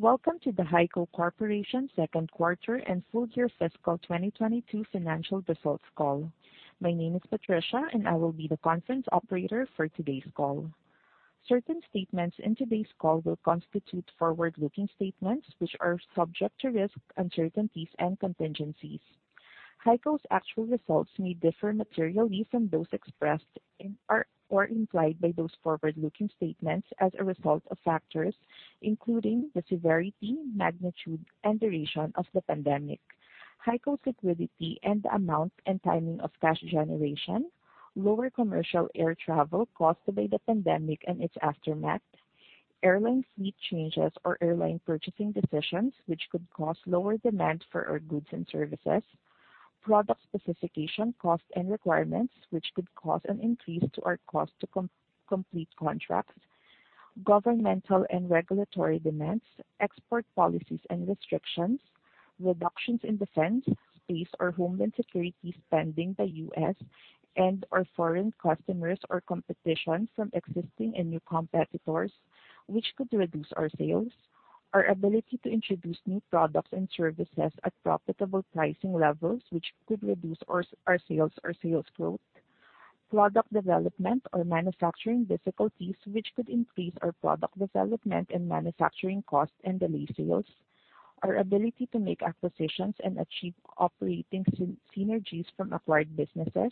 Welcome to the HEICO Corporation second quarter and full year fiscal 2022 financial results call. My name is Patricia, and I will be the conference operator for today's call. Certain statements in today's call will constitute forward-looking statements, which are subject to risks, uncertainties, and contingencies. HEICO's actual results may differ materially from those expressed in or implied by those forward-looking statements as a result of factors, including the severity, magnitude and duration of the pandemic, HEICO's liquidity and the amount and timing of cash generation, lower commercial air travel caused by the pandemic and its aftermath, airline fleet changes or airline purchasing decisions, which could cause lower demand for our goods and services, product specification costs and requirements, which could cause an increase to our cost to complete contracts, governmental and regulatory demands, export policies and restrictions, reductions in defense, space, or homeland security spending by U.S. and our foreign customers or competition from existing and new competitors, which could reduce our sales, our ability to introduce new products and services at profitable pricing levels, which could reduce our sales or sales growth, product development or manufacturing difficulties, which could increase our product development and manufacturing costs and delay sales, our ability to make acquisitions and achieve operating synergies from acquired businesses,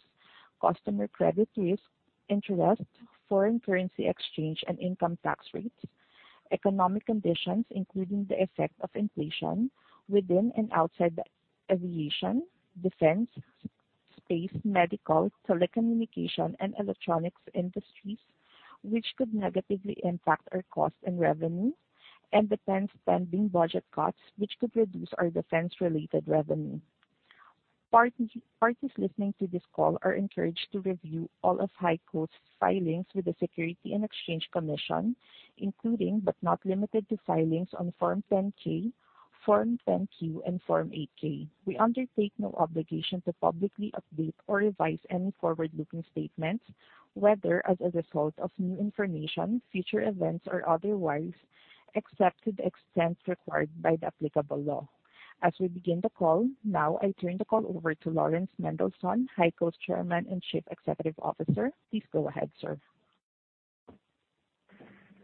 customer credit risk, interest, foreign currency exchange, and income tax rates, economic conditions, including the effect of inflation within and outside the aviation, defense, space, medical, telecommunication, and electronics industries, which could negatively impact our cost and revenue, and defense spending budget cuts, which could reduce our defense-related revenue. Parties listening to this call are encouraged to review all of HEICO's filings with the Securities and Exchange Commission, including, but not limited to filings on Form 10-K, Form 10-Q, and Form 8-K. We undertake no obligation to publicly update or revise any forward-looking statements, whether as a result of new information, future events, or otherwise, except to the extent required by the applicable law. As we begin the call, now, I turn the call over to Laurans Mendelson, HEICO's Chairman and Chief Executive Officer. Please go ahead, sir.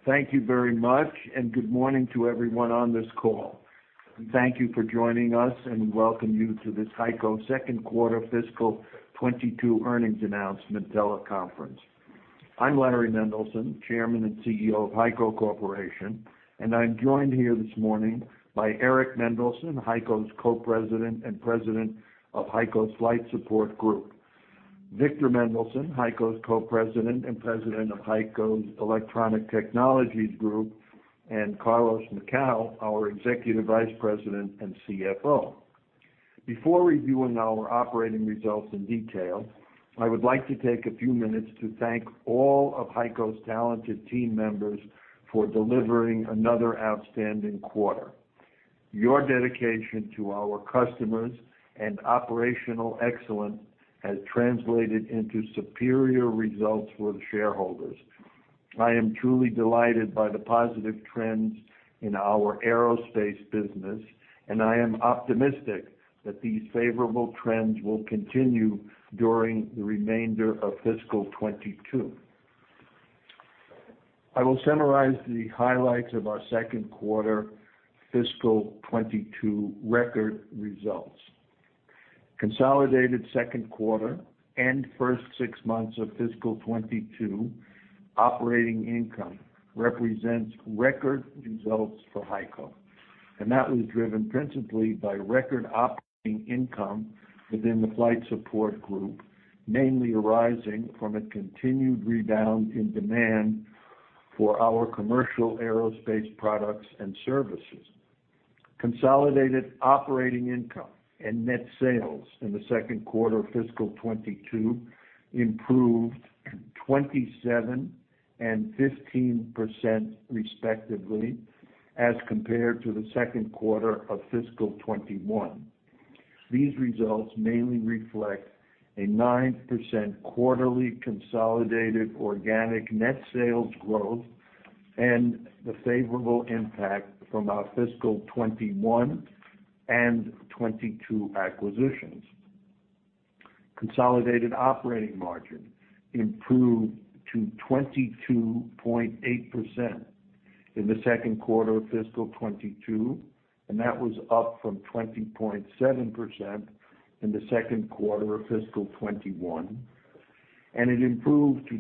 Thank you very much, and good morning to everyone on this call. Thank you for joining us, and we welcome you to this HEICO second quarter fiscal 2022 earnings announcement teleconference. I'm Larry Mendelson, Chairman and CEO of HEICO Corporation, and I'm joined here this morning by Eric Mendelson, HEICO's Co-President and President of HEICO's Flight Support Group, Victor Mendelson, HEICO's Co-President and President of HEICO's Electronic Technologies Group, and Carlos Macau, our Executive Vice President and CFO. Before reviewing our operating results in detail, I would like to take a few minutes to thank all of HEICO's talented team members for delivering another outstanding quarter. Your dedication to our customers and operational excellence has translated into superior results for the shareholders. I am truly delighted by the positive trends in our aerospace business, and I am optimistic that these favorable trends will continue during the remainder of fiscal 2022. I will summarize the highlights of our second quarter fiscal 2022 record results. Consolidated second quarter and first six months of fiscal 2022 operating income represents record results for HEICO, and that was driven principally by record operating income within the Flight Support Group, mainly arising from a continued rebound in demand for our commercial aerospace products and services. Consolidated operating income and net sales in the second quarter of fiscal 2022 improved 27% and 15%, respectively, as compared to the second quarter of fiscal 2021. These results mainly reflect a 9% quarterly consolidated organic net sales growth and the favorable impact from our fiscal 2021 and 2022 acquisitions. Consolidated operating margin improved to 22.8% in the second quarter of fiscal 2022, and that was up from 20.7% in the second quarter of fiscal 2021. It improved to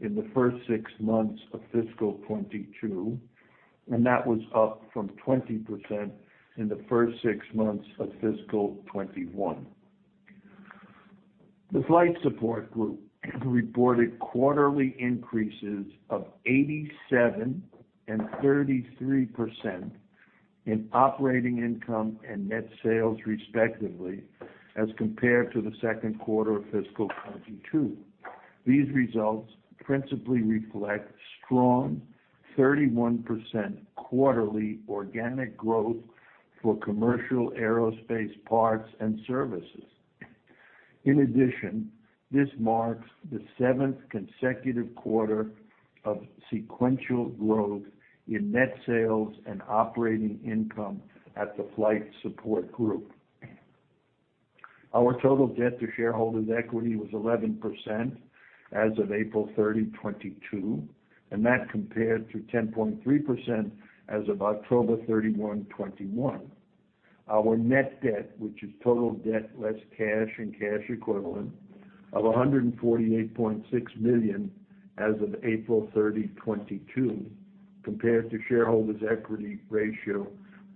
21.5% in the first six months of fiscal 2022, and that was up from 20% in the first six months of fiscal 2021. The Flight Support Group reported quarterly increases of 87% and 33% in operating income and net sales, respectively, as compared to the second quarter of fiscal 2021. These results principally reflect strong 31% quarterly organic growth for commercial aerospace parts and services. In addition, this marks the 7th consecutive quarter of sequential growth in net sales and operating income at the Flight Support Group. Our total debt to shareholders' equity was 11% as of April 30, 2022, and that compared to 10.3% as of October 31, 2021. Our net debt, which is total debt less cash and cash equivalents of $148.6 million as of April 30, 2022, compared to shareholders' equity ratio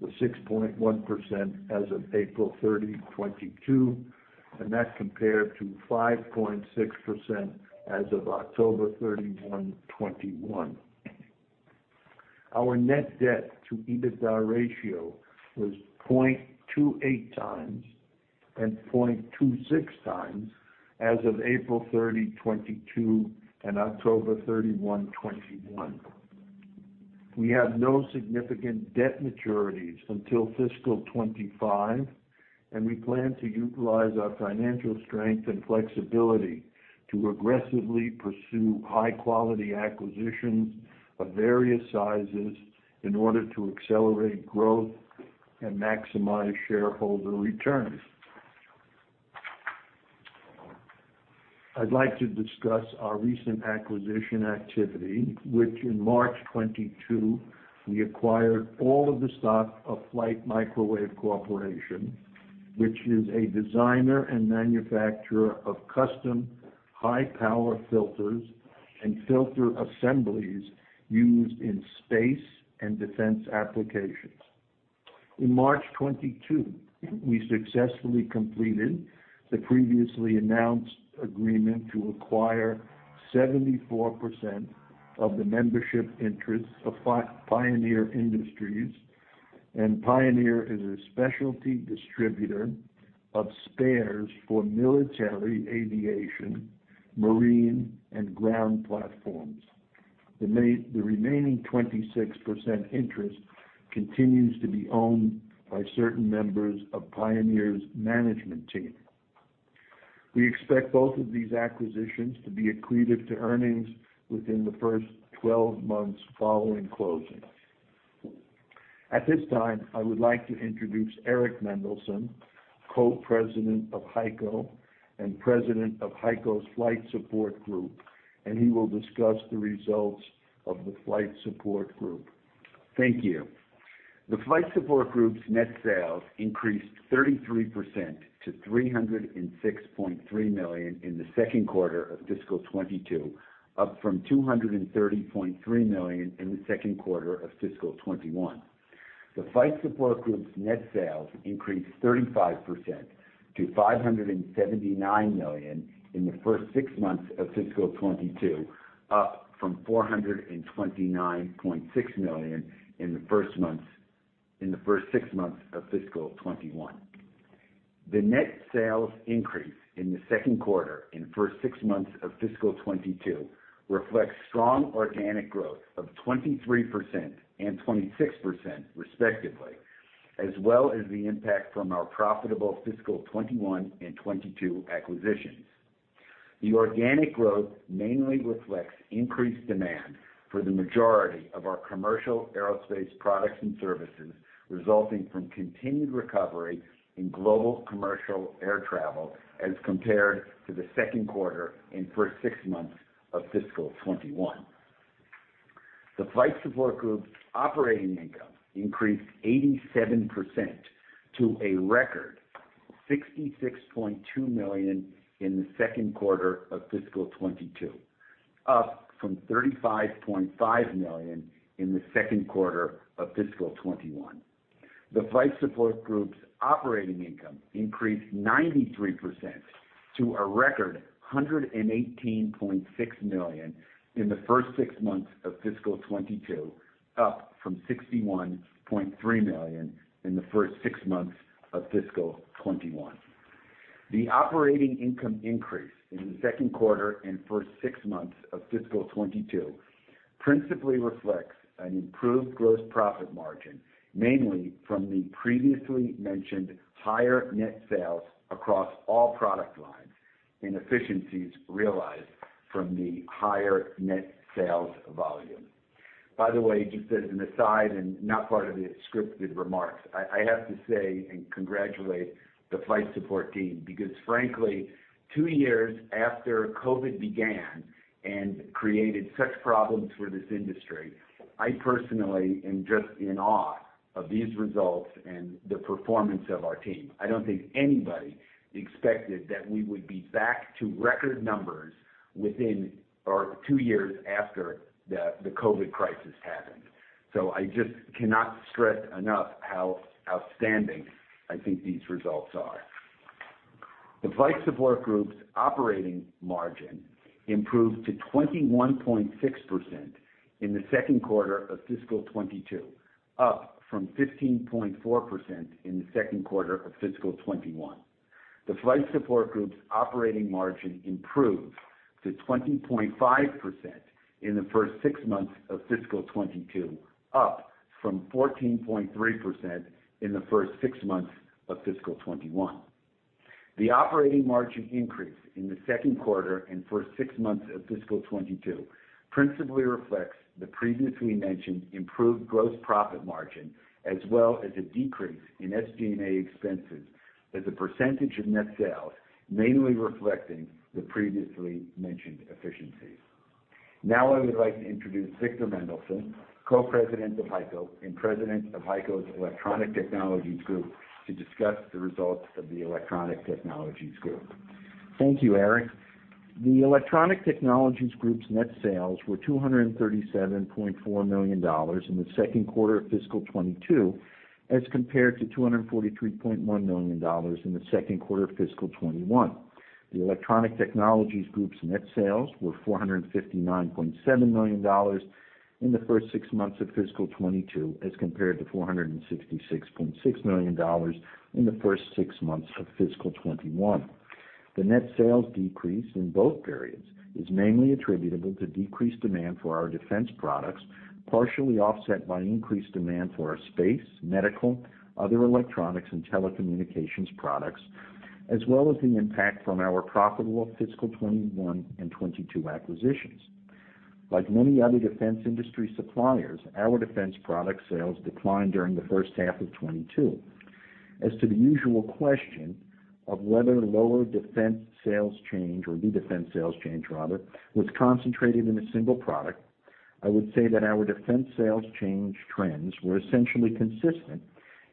was 6.1% as of April 30, 2022, and that compared to 5.6% as of October 31, 2021. Our net debt to EBITDA ratio was 0.28x and 0.26x as of April 30, 2022 and October 31, 2021. We have no significant debt maturities until fiscal 2025, and we plan to utilize our financial strength and flexibility to aggressively pursue high-quality acquisitions of various sizes in order to accelerate growth and maximize shareholder returns. I'd like to discuss our recent acquisition activity, which in March 2022 we acquired all of the stock of Flight Microwave Corporation, which is a designer and manufacturer of custom high-power filters and filter assemblies used in space and defense applications. In March 2022, we successfully completed the previously announced agreement to acquire 74% of the membership interest of Pioneer Industries. Pioneer is a specialty distributor of spares for military aviation, marine, and ground platforms. The remaining 26% interest continues to be owned by certain members of Pioneer's management team. We expect both of these acquisitions to be accretive to earnings within the first 12 months following closing. At this time, I would like to introduce Eric Mendelson, Co-President of HEICO and President of HEICO's Flight Support Group, and he will discuss the results of the Flight Support Group. Thank you. The Flight Support Group's net sales increased 33% to $306.3 million in the second quarter of fiscal 2022, up from $230.3 million in the second quarter of fiscal 2021. The Flight Support Group's net sales increased 35% to $579 million in the first six months of fiscal 2022, up from $429.6 million in the first six months of fiscal 2021. The net sales increase in the second quarter and first six months of fiscal 2022 reflects strong organic growth of 23% and 26% respectively, as well as the impact from our profitable fiscal 2021 and 2022 acquisitions. The organic growth mainly reflects increased demand for the majority of our commercial aerospace products and services, resulting from continued recovery in global commercial air travel as compared to the second quarter and first six months of fiscal 2021. The Flight Support Group's operating income increased 87% to a record $66.2 million in the second quarter of fiscal 2022, up from $35.5 million in the second quarter of fiscal 2021. The Flight Support Group's operating income increased 93% to a record $118.6 million in the first six months of fiscal 2022, up from $61.3 million in the first six months of fiscal 2021. The operating income increase in the second quarter and first six months of fiscal 2022 principally reflects an improved gross profit margin, mainly from the previously mentioned higher net sales across all product lines and efficiencies realized from the higher net sales volume. By the way, just as an aside and not part of the scripted remarks, I have to say and congratulate the Flight Support team because frankly, two years after COVID began and created such problems for this industry, I personally am just in awe of these results and the performance of our team. I don't think anybody expected that we would be back to record numbers within two years after the COVID crisis happened. I just cannot stress enough how outstanding I think these results are. The Flight Support Group's operating margin improved to 21.6% in the second quarter of fiscal 2022, up from 15.4% in the second quarter of fiscal 2021. The Flight Support Group’s operating margin improved to 20.5% in the first six months of fiscal 2022, up from 14.3% in the first six months of fiscal 2021. The operating margin increase in the second quarter and first six months of fiscal 2022 principally reflects the previously mentioned improved gross profit margin as well as a decrease in SG&A expenses as a percentage of net sales, mainly reflecting the previously mentioned efficiencies. Now I would like to introduce Victor Mendelson, Co-President of HEICO and President of HEICO's Electronic Technologies Group, to discuss the results of the Electronic Technologies Group. Thank you, Eric. The Electronic Technologies Group's net sales were $237.4 million in the second quarter of fiscal 2022, as compared to $243.1 million in the second quarter of fiscal 2021. The Electronic Technologies Group's net sales were $459.7 million in the first six months of fiscal 2022, as compared to $466.6 million in the first six months of fiscal 2021. The net sales decrease in both periods is mainly attributable to decreased demand for our defense products, partially offset by increased demand for our space, medical, other electronics, and telecommunications products, as well as the impact from our profitable fiscal 2021 and 2022 acquisitions. Like many other defense industry suppliers, our defense product sales declined during the first half of 2022. As to the usual question of whether lower defense sales change or the defense sales change rather, was concentrated in a single product, I would say that our defense sales change trends were essentially consistent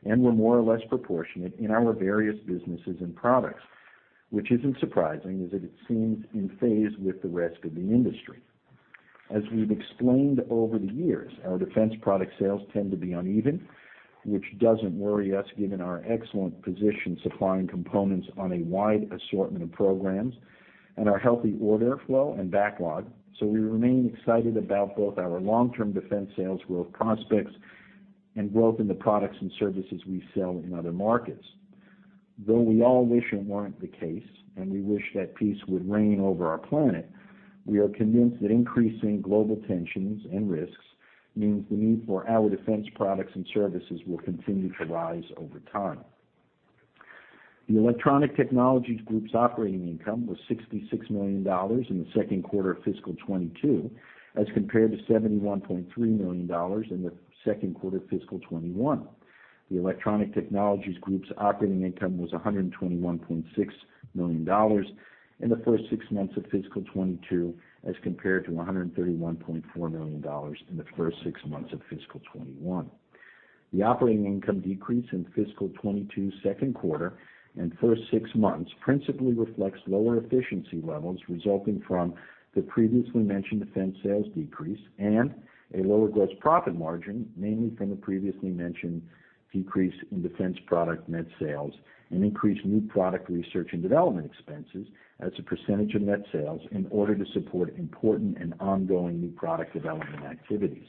and were more or less proportionate in our various businesses and products, which isn't surprising as it seems in phase with the rest of the industry. As we've explained over the years, our defense product sales tend to be uneven, which doesn't worry us given our excellent position supplying components on a wide assortment of programs and our healthy order flow and backlog. We remain excited about both our long-term defense sales growth prospects and growth in the products and services we sell in other markets. Though we all wish it weren't the case and we wish that peace would reign over our planet, we are convinced that increasing global tensions and risks means the need for our defense products and services will continue to rise over time. The Electronic Technologies Group's operating income was $66 million in the second quarter of fiscal 2022, as compared to $71.3 million in the second quarter of fiscal 2021. The Electronic Technologies Group's operating income was $121.6 million in the first six months of fiscal 2022, as compared to $131.4 million in the first six months of fiscal 2021. The operating income decrease in fiscal 2022 second quarter and first six months principally reflects lower efficiency levels resulting from the previously mentioned defense sales decrease and a lower gross profit margin, mainly from the previously mentioned decrease in defense product net sales and increased new product research and development expenses as a percentage of net sales in order to support important and ongoing new product development activities.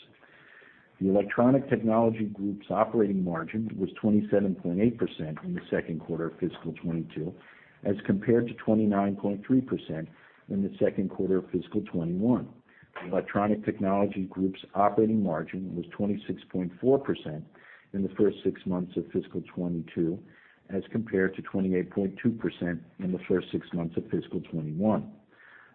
The Electronic Technologies Group's operating margin was 27.8% in the second quarter of fiscal 2022, as compared to 29.3% in the second quarter of fiscal 2021. The Electronic Technologies Group's operating margin was 26.4% in the first six months of fiscal 2022, as compared to 28.2% in the first six months of fiscal 2021.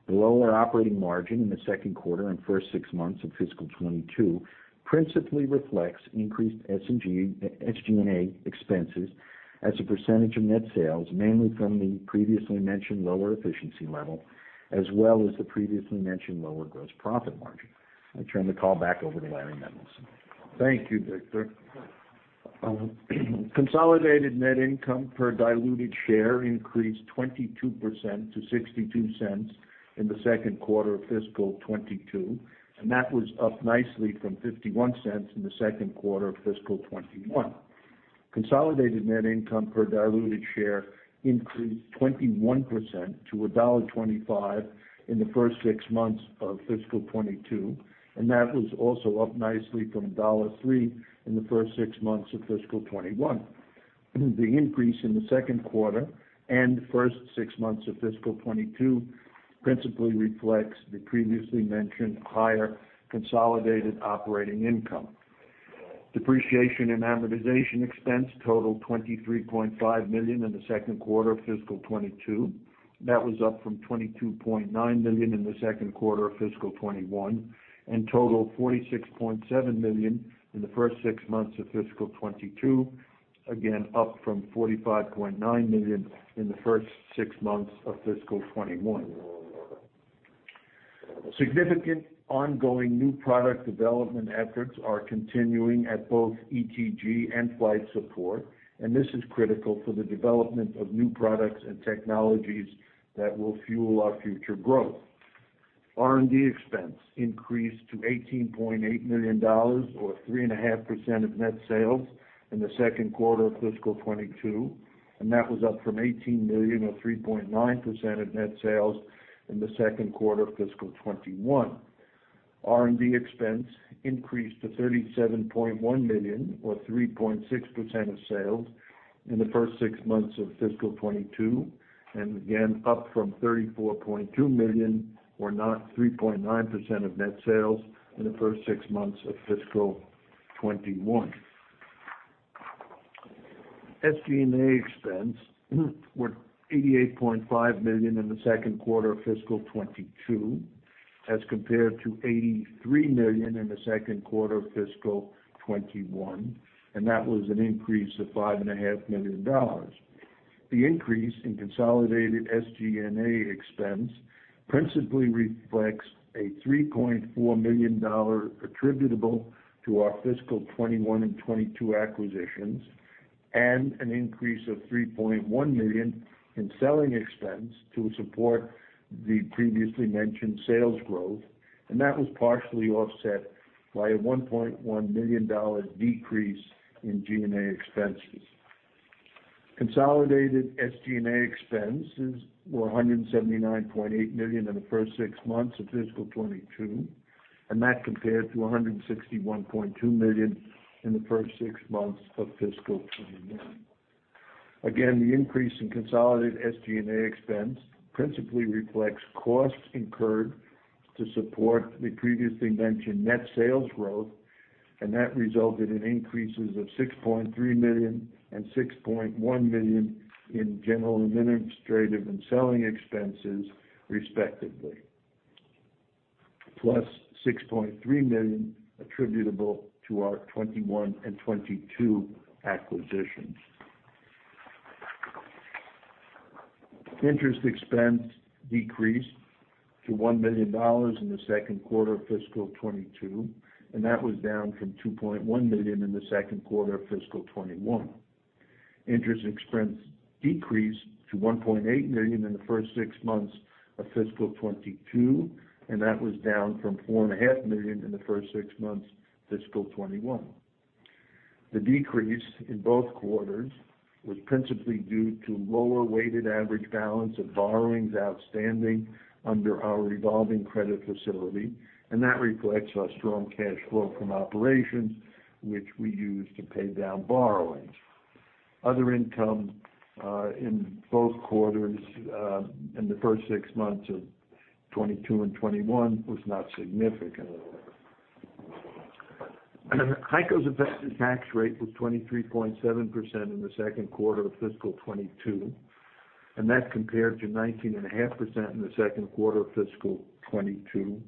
The lower operating margin in the second quarter and first six months of fiscal 2022 principally reflects increased SG&A expenses as a percentage of net sales, mainly from the previously mentioned lower efficiency level as well as the previously mentioned lower gross profit margin. I turn the call back over to Larry Mendelson. Thank you, Victor. Consolidated net income per diluted share increased 22% to $0.62 in the second quarter of fiscal 2022, and that was up nicely from $0.51 in the second quarter of fiscal 2021. Consolidated net income per diluted share increased 21% to $1.25 in the first six months of fiscal 2022, and that was also up nicely from $1.03 in the first six months of fiscal 2021. The increase in the second quarter and first six months of fiscal 2022 principally reflects the previously mentioned higher consolidated operating income. Depreciation and amortization expense totaled $23.5 million in the second quarter of fiscal 2022. That was up from $22.9 million in the second quarter of fiscal 2021 and totaled $46.7 million in the first six months of fiscal 2022, again, up from $45.9 million in the first six months of fiscal 2021. Significant ongoing new product development efforts are continuing at both ETG and Flight Support, and this is critical for the development of new products and technologies that will fuel our future growth. R&D expense increased to $18.8 million or 3.5% of net sales in the second quarter of fiscal 2022, and that was up from $18 million or 3.9% of net sales in the second quarter of fiscal 2021. R&D expense increased to $37.1 million or 3.6% of sales in the first six months of fiscal 2022, and again, up from $34.2 million or 3.9% of net sales in the first six months of fiscal 2021. SG&A expense were $88.5 million in the second quarter of fiscal 2022, as compared to $83 million in the second quarter of fiscal 2021, and that was an increase of $5.5 million. The increase in consolidated SG&A expense principally reflects a $3.4 million attributable to our fiscal 2021 and 2022 acquisitions and an increase of $3.1 million in selling expense to support the previously mentioned sales growth. That was partially offset by a $1.1 million decrease in G&A expenses. Consolidated SG&A expenses were $179.8 million in the first six months of fiscal 2022, and that compared to $161.2 million in the first six months of fiscal 2021. Again, the increase in consolidated SG&A expense principally reflects costs incurred to support the previously mentioned net sales growth, and that resulted in increases of $6.3 million and $6.1 million in general administrative and selling expenses, respectively, plus $6.3 million attributable to our 2021 and 2022 acquisitions. Interest expense decreased to $1 million in the second quarter of fiscal 2022, and that was down from $2.1 million in the second quarter of fiscal 2021. Interest expense decreased to $1.8 million in the first six months of fiscal 2022, and that was down from $4.5 million in the first six months, fiscal 2021. The decrease in both quarters was principally due to lower weighted average balance of borrowings outstanding under our revolving credit facility, and that reflects our strong cash flow from operations, which we use to pay down borrowings. Other income in both quarters in the first six months of 2022 and 2021 was not significant. HEICO's effective tax rate was 23.7% in the second quarter of fiscal 2022, and that compared to 19.5% in the second quarter of fiscal 2022.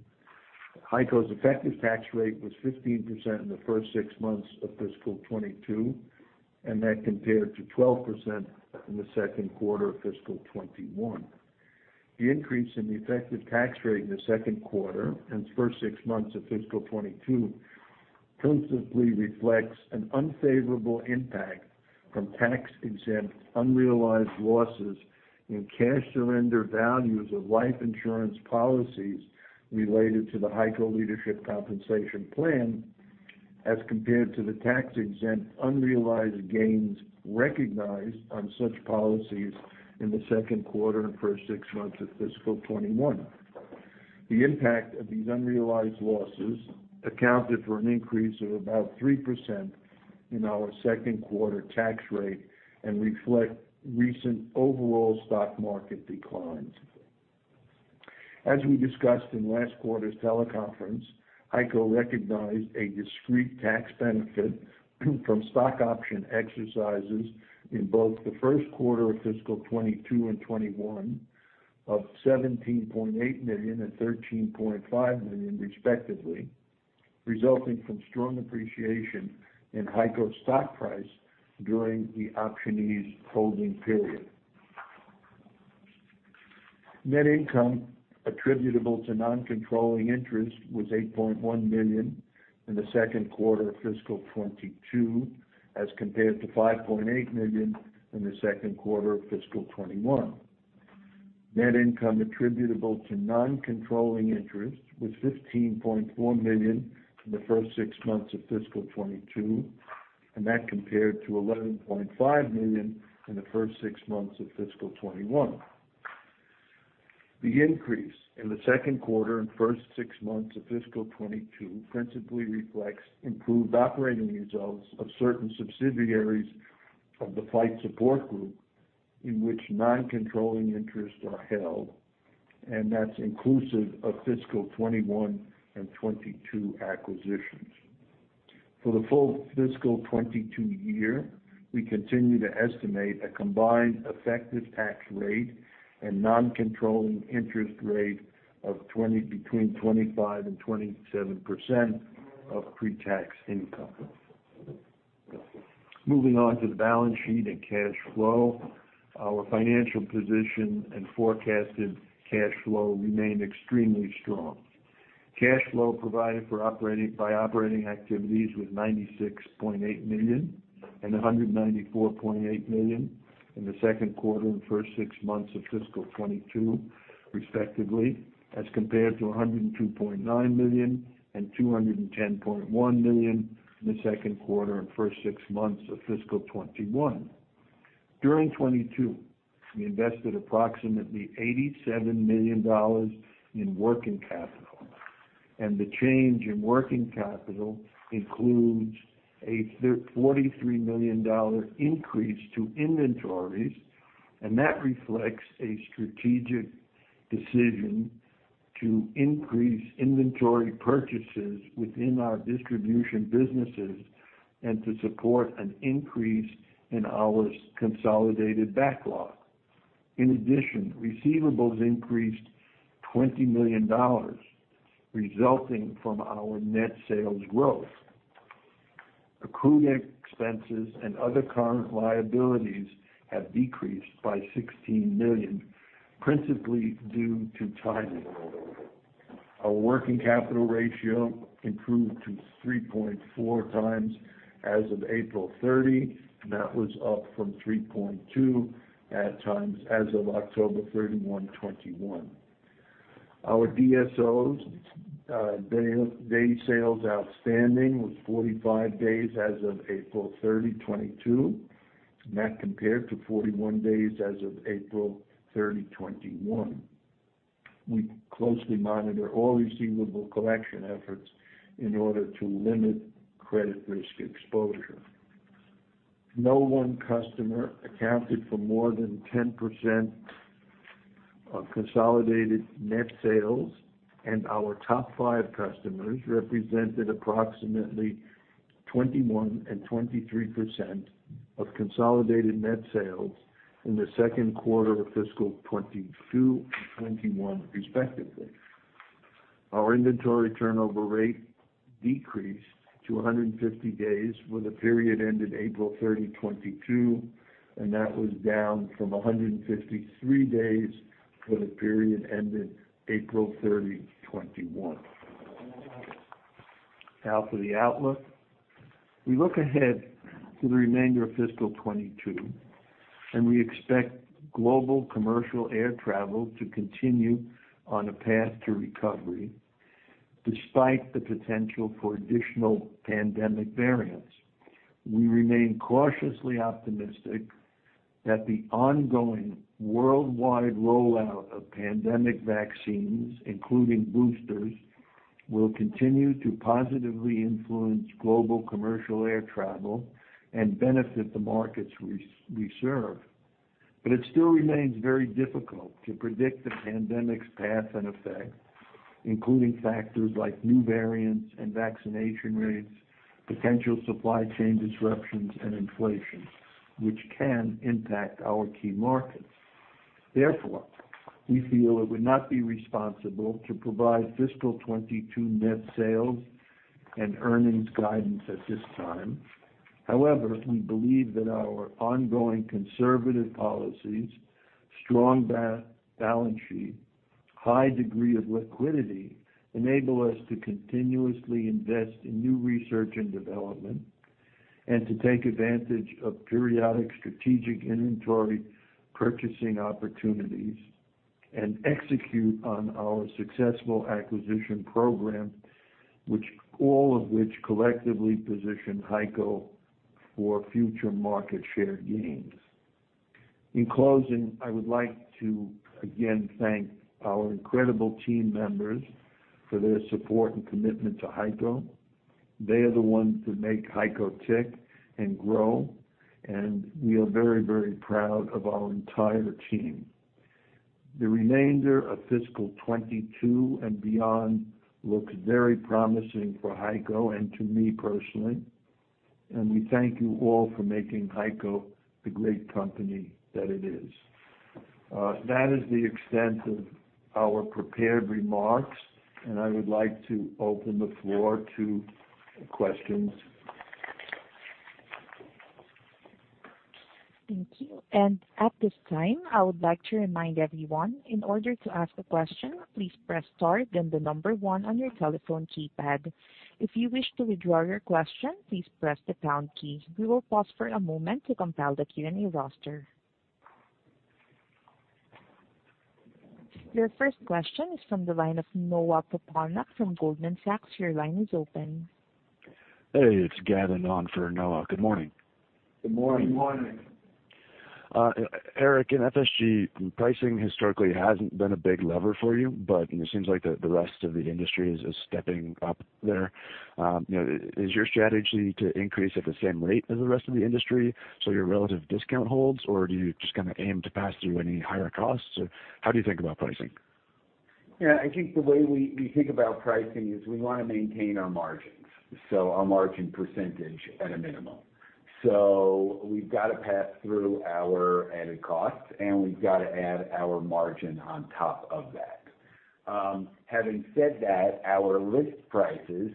HEICO's effective tax rate was 15% in the first six months of fiscal 2022, and that compared to 12% in the second quarter of fiscal 2021. The increase in the effective tax rate in the second quarter and first six months of fiscal 2022 principally reflects an unfavorable impact from tax-exempt, unrealized losses in cash surrender values of life insurance policies related to the HEICO Leadership Compensation Plan as compared to the tax-exempt, unrealized gains recognized on such policies in the second quarter and first six months of fiscal 2021. The impact of these unrealized losses accounted for an increase of about 3% in our second quarter tax rate and reflect recent overall stock market declines. As we discussed in last quarter's teleconference, HEICO recognized a discrete tax benefit from stock option exercises in both the first quarter of fiscal 2022 and 2021 of $17.8 million and $13.5 million, respectively, resulting from strong appreciation in HEICO stock price during the optionee's holding period. Net income attributable to non-controlling interest was $8.1 million in the second quarter of fiscal 2022, as compared to $5.8 million in the second quarter of fiscal 2021. Net income attributable to non-controlling interest was $15.4 million in the first six months of fiscal 2022, and that compared to $11.5 million in the first six months of fiscal 2021. The increase in the second quarter and first six months of fiscal 2022 principally reflects improved operating results of certain subsidiaries of the Flight Support Group in which non-controlling interests are held, and that's inclusive of fiscal 2021 and 2022 acquisitions. For the full fiscal 2022 year, we continue to estimate a combined effective tax rate and non-controlling interest rate of between 25% and 27% of pre-tax income. Moving on to the balance sheet and cash flow. Our financial position and forecasted cash flow remain extremely strong. Cash flow provided by operating activities was $96.8 million and $194.8 million in the second quarter and first six months of fiscal 2022, respectively, as compared to $102.9 million and $210.1 million in the second quarter and first six months of fiscal 2021. During 2022, we invested approximately $87 million in working capital. The change in working capital includes a $43 million increase to inventories, and that reflects a strategic decision to increase inventory purchases within our distribution businesses and to support an increase in our consolidated backlog. In addition, receivables increased $20 million resulting from our net sales growth. Accrued expenses and other current liabilities have decreased by $16 million, principally due to timing. Our working capital ratio improved to 3.4x as of April 30. That was up from 3.2x as of October 31, 2021. Our DSOs, days sales outstanding was 45 days as of April 30, 2022. That compared to 41 days as of April 30, 2021. We closely monitor all receivable collection efforts in order to limit credit risk exposure. No one customer accounted for more than 10% of consolidated net sales, and our top five customers represented approximately 21% and 23% of consolidated net sales in the second quarter of fiscal 2022 and 2021, respectively. Our inventory turnover rate decreased to 150 days for the period ended April 30, 2022, and that was down from 153 days for the period ended April 30, 2021. Now for the outlook. We look ahead to the remainder of fiscal 2022, and we expect global commercial air travel to continue on a path to recovery despite the potential for additional pandemic variants. We remain cautiously optimistic that the ongoing worldwide rollout of pandemic vaccines, including boosters, will continue to positively influence global commercial air travel and benefit the markets we serve. It still remains very difficult to predict the pandemic's path and effect, including factors like new variants and vaccination rates, potential supply chain disruptions and inflation, which can impact our key markets. Therefore, we feel it would not be responsible to provide fiscal 2022 net sales and earnings guidance at this time. However, we believe that our ongoing conservative policies, strong balance sheet, high degree of liquidity enable us to continuously invest in new research and development and to take advantage of periodic strategic inventory purchasing opportunities and execute on our successful acquisition program, which, all of which collectively position HEICO for future market share gains. In closing, I would like to again thank our incredible team members for their support and commitment to HEICO. They are the ones that make HEICO tick and grow, and we are very, very proud of our entire team. The remainder of fiscal 2022 and beyond looks very promising for HEICO and to me personally, and we thank you all for making HEICO the great company that it is. That is the extent of our prepared remarks, and I would like to open the floor to questions. Thank you. At this time, I would like to remind everyone, in order to ask a question, please press star then the number one on your telephone keypad. If you wish to withdraw your question, please press the pound key. We will pause for a moment to compile the Q&A roster. Your first question is from the line of Noah Poponak from Goldman Sachs. Your line is open. Hey, it's Gavin on for Noah. Good morning. Good morning. Good morning. Eric, in FSG, pricing historically hasn't been a big lever for you, but it seems like the rest of the industry is stepping up there. You know, is your strategy to increase at the same rate as the rest of the industry so your relative discount holds, or do you just kinda aim to pass through any higher costs? Or how do you think about pricing? Yeah. I think the way we think about pricing is we wanna maintain our margins, so our margin percentage at a minimum. We've got to pass through our added costs, and we've got to add our margin on top of that. Having said that, our list prices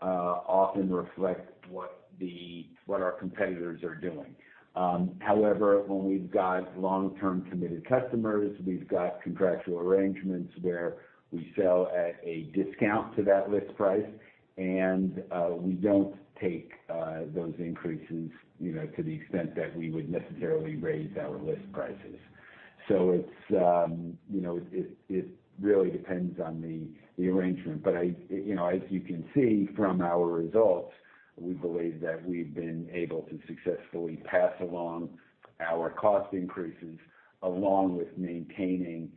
often reflect what our competitors are doing. However, when we've got long-term committed customers, we've got contractual arrangements where we sell at a discount to that list price, and we don't take those increases, you know, to the extent that we would necessarily raise our list prices. It's, you know, it really depends on the arrangement. I, you know, as you can see from our results, we believe that we've been able to successfully pass along our cost increases, along with maintaining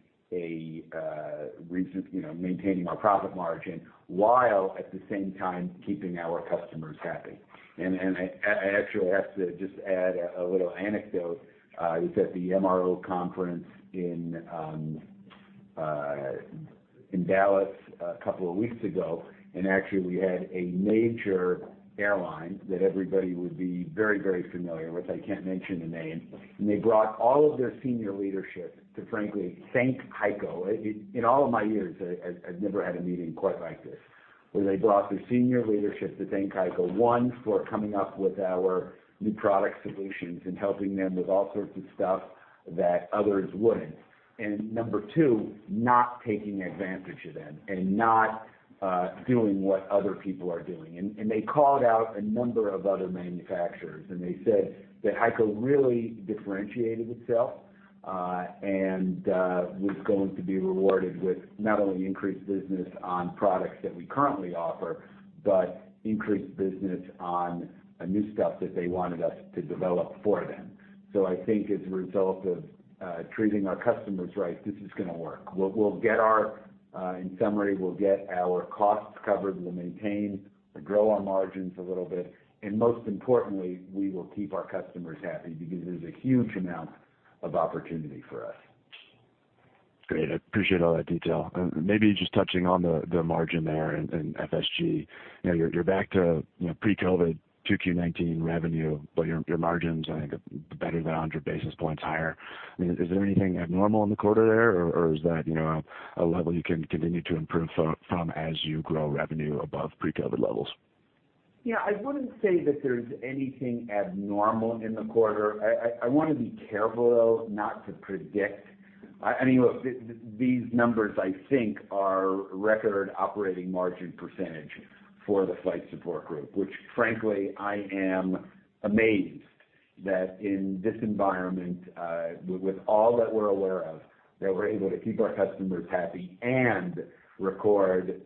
our profit margin, while at the same time, keeping our customers happy. I actually have to just add a little anecdote. I was at the MRO conference in Dallas a couple of weeks ago, and actually we had a major airline that everybody would be very, very familiar with. I can't mention the name. They brought all of their senior leadership to frankly thank HEICO. In all of my years, I've never had a meeting quite like this, where they brought their senior leadership to thank HEICO, one, for coming up with our new product solutions and helping them with all sorts of stuff that others wouldn't. Number two, not taking advantage of them and not doing what other people are doing. They called out a number of other manufacturers, and they said that HEICO really differentiated itself and was going to be rewarded with not only increased business on products that we currently offer, but increased business on new stuff that they wanted us to develop for them. I think as a result of treating our customers right, this is gonna work. We'll get our, in summary, we'll get our costs covered. We'll maintain or grow our margins a little bit. Most importantly, we will keep our customers happy because there's a huge amount of opportunity for us. Great. I appreciate all that detail. Maybe just touching on the margin there in FSG. You know, you're back to, you know, pre-COVID 2Q19 revenue, but your margins I think are better than 100 basis points higher. I mean, is there anything abnormal in the quarter there, or is that, you know, a level you can continue to improve from as you grow revenue above pre-COVID levels? Yeah, I wouldn't say that there's anything abnormal in the quarter. I wanna be careful, though, not to predict. Anyway, these numbers I think are record operating margin percentage for the Flight Support Group, which frankly I am amazed that in this environment, with all that we're aware of, that we're able to keep our customers happy and record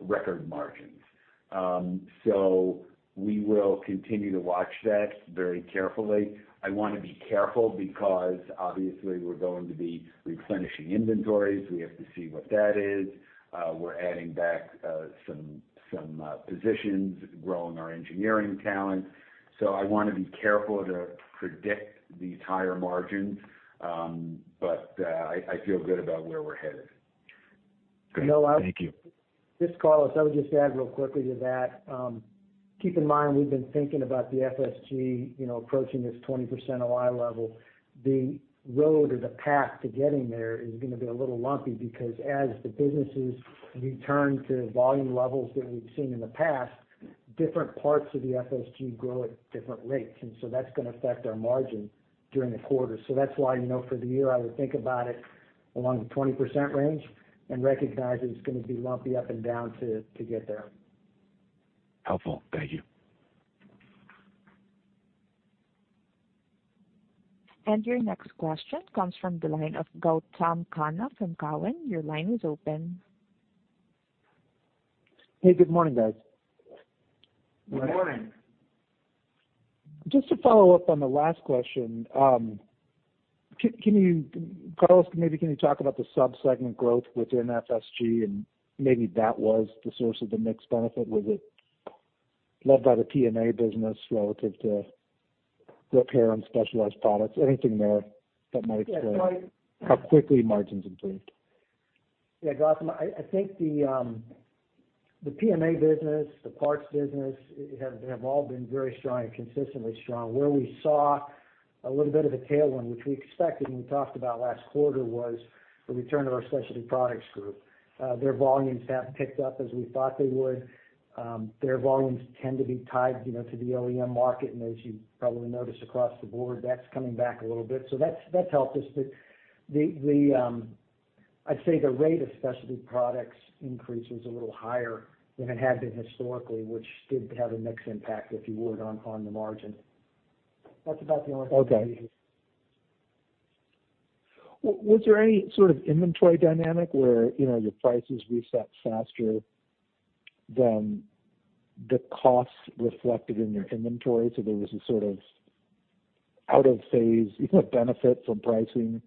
margins. We will continue to watch that very carefully. I wanna be careful because obviously we're going to be replenishing inventories. We have to see what that is. We're adding back some positions, growing our engineering talent. I wanna be careful to predict these higher margins, but I feel good about where we're headed. Great. Thank you. You know, I just, Carlos, I would just add real quickly to that, keep in mind we've been thinking about the FSG, you know, approaching this 20% OI level. The road or the path to getting there is gonna be a little lumpy because as the businesses return to volume levels that we've seen in the past, different parts of the FSG grow at different rates, and so that's gonna affect our margin during the quarter. That's why, you know, for the year, I would think about it along the 20% range and recognize that it's gonna be lumpy up and down to get there. Helpful. Thank you. Your next question comes from the line of Gautam Khanna from Cowen. Your line is open. Hey, good morning, guys. Good morning. Just to follow up on the last question, can you, Carlos, maybe talk about the sub-segment growth within FSG, and maybe that was the source of the mixed benefit? Was it led by the PMA business relative to repair and specialized products? Anything there that might explain? Yeah, Gautam. How quickly margins improved? Yeah, Gautam, I think the PMA business, the parts business have all been very strong and consistently strong. Where we saw a little bit of a tailwind, which we expected, and we talked about last quarter, was the return of our specialty products group. Their volumes haven't picked up as we thought they would. Their volumes tend to be tied, you know, to the OEM market, and as you probably noticed across the board, that's coming back a little bit. That's helped us. I'd say the rate of specialty products increase was a little higher than it had been historically, which did have a mixed impact, if you would, on the margin. That's about the only thing I can give you. Okay. Was there any sort of inventory dynamic where, you know, your prices reset faster than the costs reflected in your inventory, so there was a sort of out of phase, you know, benefit from pricing,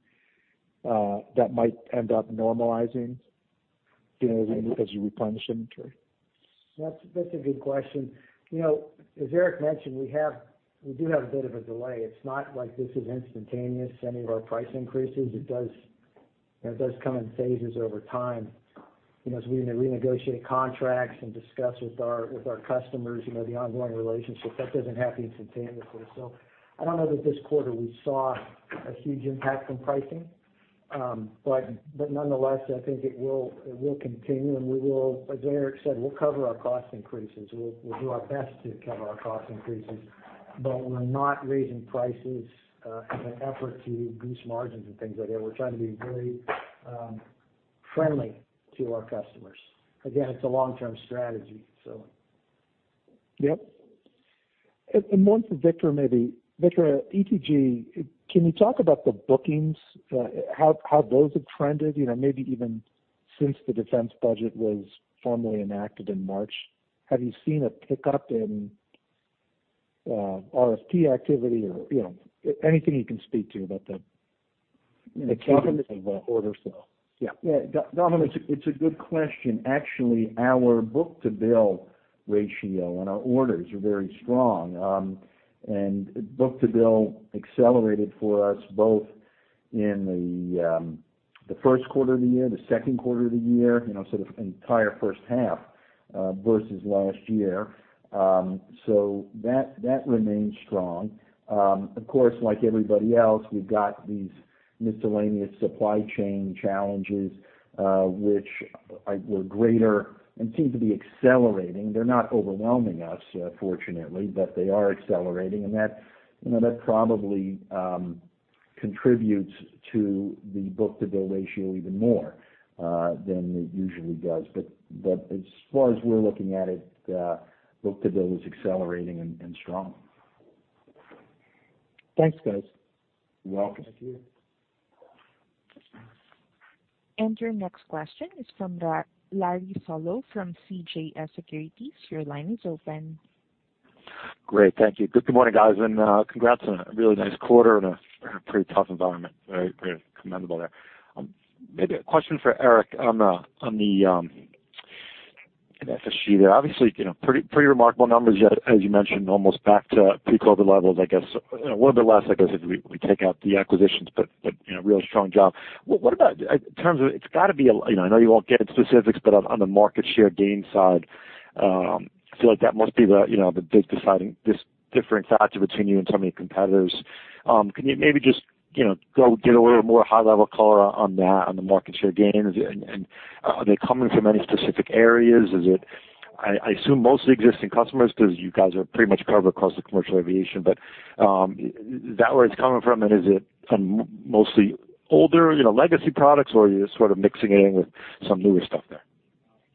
that might end up normalizing, you know, as you replenish inventory? That's a good question. You know, as Eric mentioned, we do have a bit of a delay. It's not like this is instantaneous, any of our price increases. It does, you know, come in phases over time. You know, as we renegotiate contracts and discuss with our customers, you know, the ongoing relationship, that doesn't happen instantaneously. I don't know that this quarter we saw a huge impact from pricing. But nonetheless, I think it will continue, and we will, as Eric said, we'll cover our cost increases. We'll do our best to cover our cost increases, but we're not raising prices in an effort to boost margins and things like that. We're trying to be very friendly to our customers. Again, it's a long-term strategy, so. Yep. One for Victor, maybe. Victor, ETG, can you talk about the bookings, how those have trended, you know, maybe even since the defense budget was formally enacted in March? Have you seen a pickup in RFP activity or, you know, anything you can speak to about the-? The timing. Orders though? Yeah. Yeah. Don, it's a good question. Actually, our book-to-bill ratio and our orders are very strong. Book-to-bill accelerated for us both in the first quarter of the year, the second quarter of the year, you know, sort of the entire first half versus last year. So that remains strong. Of course, like everybody else, we've got these miscellaneous supply chain challenges, which were greater and seem to be accelerating. They're not overwhelming us, fortunately, but they are accelerating. That probably contributes to the book-to-bill ratio even more than it usually does. But as far as we're looking at it, book-to-bill is accelerating and strong. Thanks, guys. You're welcome. Thank you. Your next question is from Larry Solow from CJS Securities. Your line is open. Great. Thank you. Good morning, guys, and congrats on a really nice quarter in a pretty tough environment. Very commendable there. Maybe a question for Eric in FSG there. Obviously, you know, pretty remarkable numbers as you mentioned, almost back to pre-COVID levels, I guess. You know, a little bit less, I guess, if we take out the acquisitions, but you know, really strong job. What about in terms of it's gotta be a. You know, I know you won't get into specifics, but on the market share gain side, I feel like that must be the, you know, the big differentiating factor between you and so many competitors. Can you maybe just, you know, go get a little more high-level color on that, on the market share gains? Are they coming from any specific areas? Is it I assume mostly existing customers because you guys are pretty much covered across the commercial aviation. Is that where it's coming from, and is it from mostly older, you know, legacy products, or are you sort of mixing in with some newer stuff there?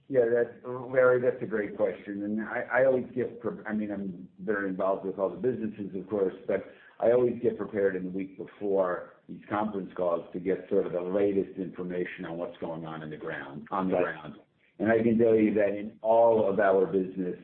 Yeah, that's Larry, that's a great question. I mean, I'm very involved with all the businesses, of course, but I always get prepared in the week before these conference calls to get sort of the latest information on what's going on on the ground. I can tell you that in all of our business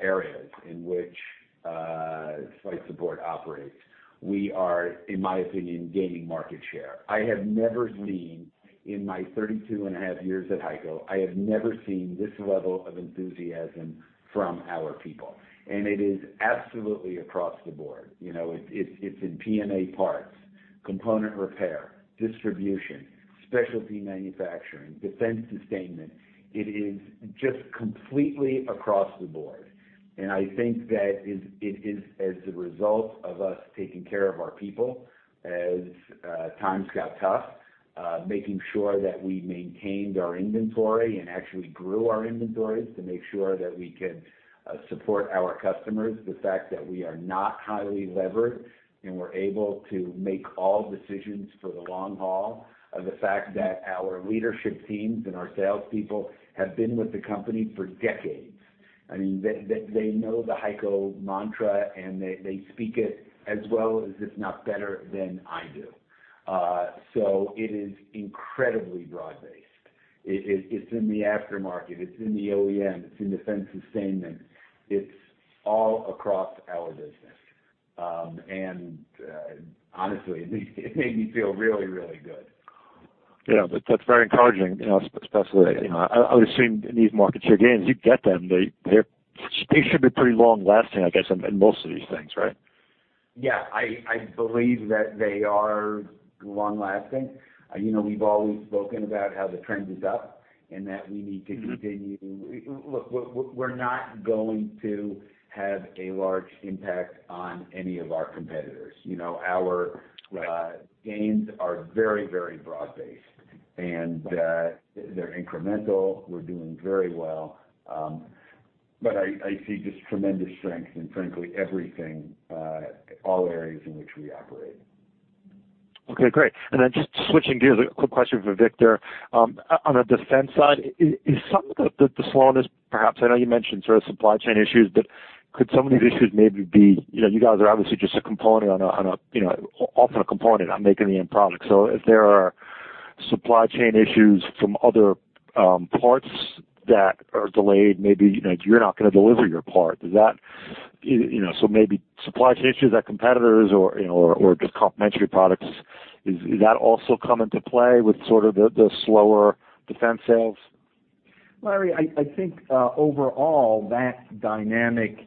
areas in which Flight Support operates, we are, in my opinion, gaining market share. I have never seen in my 32.5 years at HEICO, I have never seen this level of enthusiasm from our people. It is absolutely across the board. You know, it's in PMA parts, component repair, distribution, specialty manufacturing, defense sustainment. It is just completely across the board. I think that it is as a result of us taking care of our people as times got tough, making sure that we maintained our inventory and actually grew our inventories to make sure that we could support our customers. The fact that we are not highly levered, and we're able to make all decisions for the long haul. The fact that our leadership teams and our salespeople have been with the company for decades. I mean, they know the HEICO mantra, and they speak it as well as, if not better, than I do. It is incredibly broad-based. It's in the aftermarket, it's in the OEM, it's in defense sustainment. It's all across our business. Honestly, it made me feel really, really good. Yeah. That's very encouraging, you know, especially, you know. I would assume in these market share gains, you get them. They should be pretty long-lasting, I guess, in most of these things, right? Yeah. I believe that they are long-lasting. You know, we've always spoken about how the trend is up and that we need to continue. Look, we're not going to have a large impact on any of our competitors. You know, our gains are very, very broad-based, and they're incremental. We're doing very well. I see just tremendous strength in, frankly, everything, all areas in which we operate. Okay. Great. Just switching gears, a quick question for Victor. On the defense side, is some of the slowness, perhaps, I know you mentioned sort of supply chain issues, but could some of these issues maybe be, you guys are obviously just a component, often a component on making the end product. If there are supply chain issues from other parts that are delayed, maybe you're not gonna deliver your part. Does that maybe supply chain issues at competitors or just complementary products, is that also come into play with sort of the slower defense sales? Larry, I think overall, that dynamic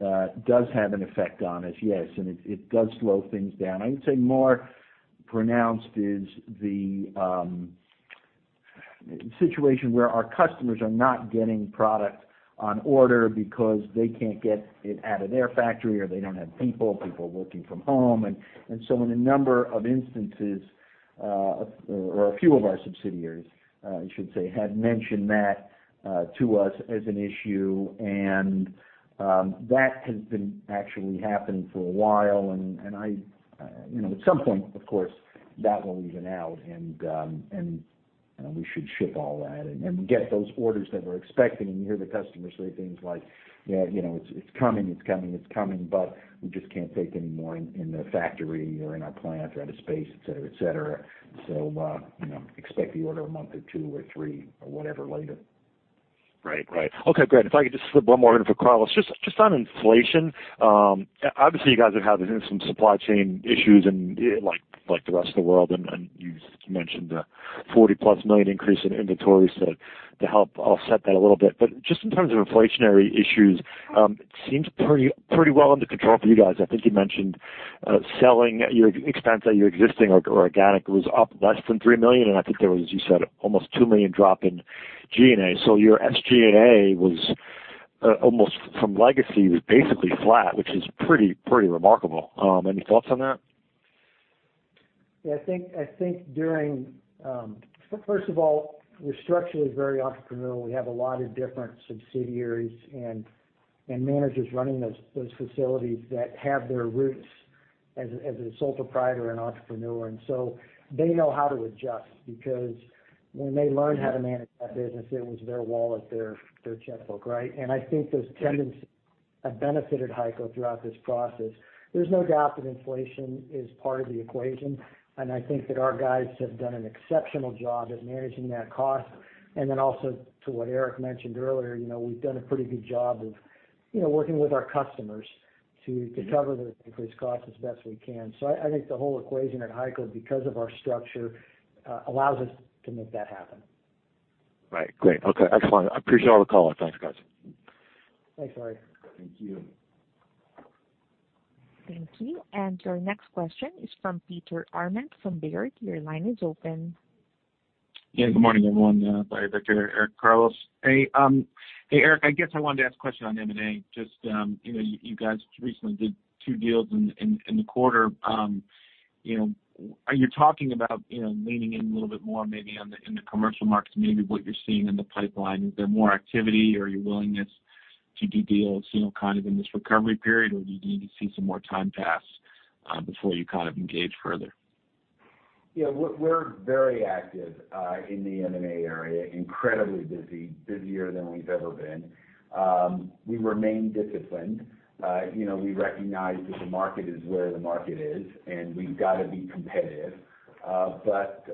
does have an effect on us, yes, and it does slow things down. I would say more pronounced is the situation where our customers are not getting product on order because they can't get it out of their factory, or they don't have people working from home. In a number of instances, or a few of our subsidiaries, I should say, had mentioned that to us as an issue. That has been actually happening for a while. I you know, at some point, of course, that will even out and we should ship all that and get those orders that we're expecting. You hear the customer say things like, yeah, you know, it's coming, but we just can't take any more in the factory or in our plant or out of space, et cetera. You know, expect the order a month or two or three or whatever later. Right. Okay, great. If I could just slip one more in for Carlos, just on inflation. Obviously, you guys have had some supply chain issues and like the rest of the world, and you mentioned the $40+ million increase in inventories to help offset that a little bit. Just in terms of inflationary issues, it seems pretty well under control for you guys. I think you mentioned SG&A expense, either existing or organic, was up less than $3 million, and I think there was, you said, almost $2 million drop in G&A. Your SG&A was basically flat from legacy, which is pretty remarkable. Any thoughts on that? Yeah, I think first of all, we're structurally very entrepreneurial. We have a lot of different subsidiaries and managers running those facilities that have their roots as a sole proprietor and entrepreneur. They know how to adjust because when they learned how to manage that business, it was their wallet, their checkbook, right? I think those tendencies have benefited HEICO throughout this process. There's no doubt that inflation is part of the equation, and I think that our guys have done an exceptional job at managing that cost. Then also to what Eric mentioned earlier, you know, we've done a pretty good job of, you know, working with our customers to cover the increased costs as best we can. I think the whole equation at HEICO, because of our structure, allows us to make that happen. Right. Great. Okay, excellent. I appreciate all the color. Thanks, guys. Thanks, Larry. Thank you. Thank you. Your next question is from Peter Arment from Baird. Your line is open. Yeah, good morning, everyone. Baird, Victor. Eric, Carlos. Hey, Eric, I guess I wanted to ask a question on M&A. Just, you know, you guys recently did two deals in the quarter. You know, are you talking about, you know, leaning in a little bit more maybe on the, in the commercial markets, maybe what you're seeing in the pipeline? Is there more activity or your willingness to do deals, you know, kind of in this recovery period? Or do you need to see some more time pass, before you kind of engage further? Yeah. We're very active in the M&A area. Incredibly busy, busier than we've ever been. We remain disciplined. You know, we recognize that the market is where the market is, and we've got to be competitive. But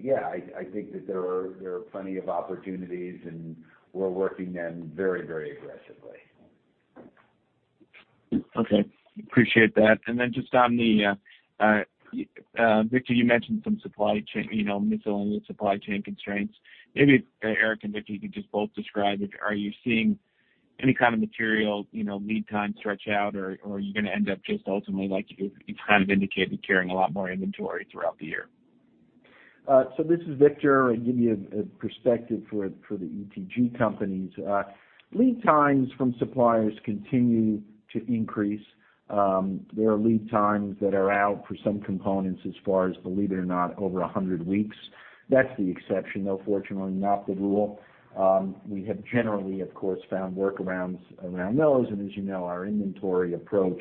yeah, I think that there are plenty of opportunities, and we're working them very, very aggressively. Okay. Appreciate that. Just on the Victor, you mentioned some supply chain, you know, miscellaneous supply chain constraints. Maybe if Eric and Victor, you could just both describe if are you seeing any kind of material, you know, lead time stretch out, or are you gonna end up just ultimately, like you kind of indicated, carrying a lot more inventory throughout the year? This is Victor. I'll give you a perspective for the ETG companies. Lead times from suppliers continue to increase. There are lead times that are out for some components as far as, believe it or not, over 100 weeks. That's the exception, though, fortunately not the rule. We have generally, of course, found workarounds around those. As you know, our inventory approach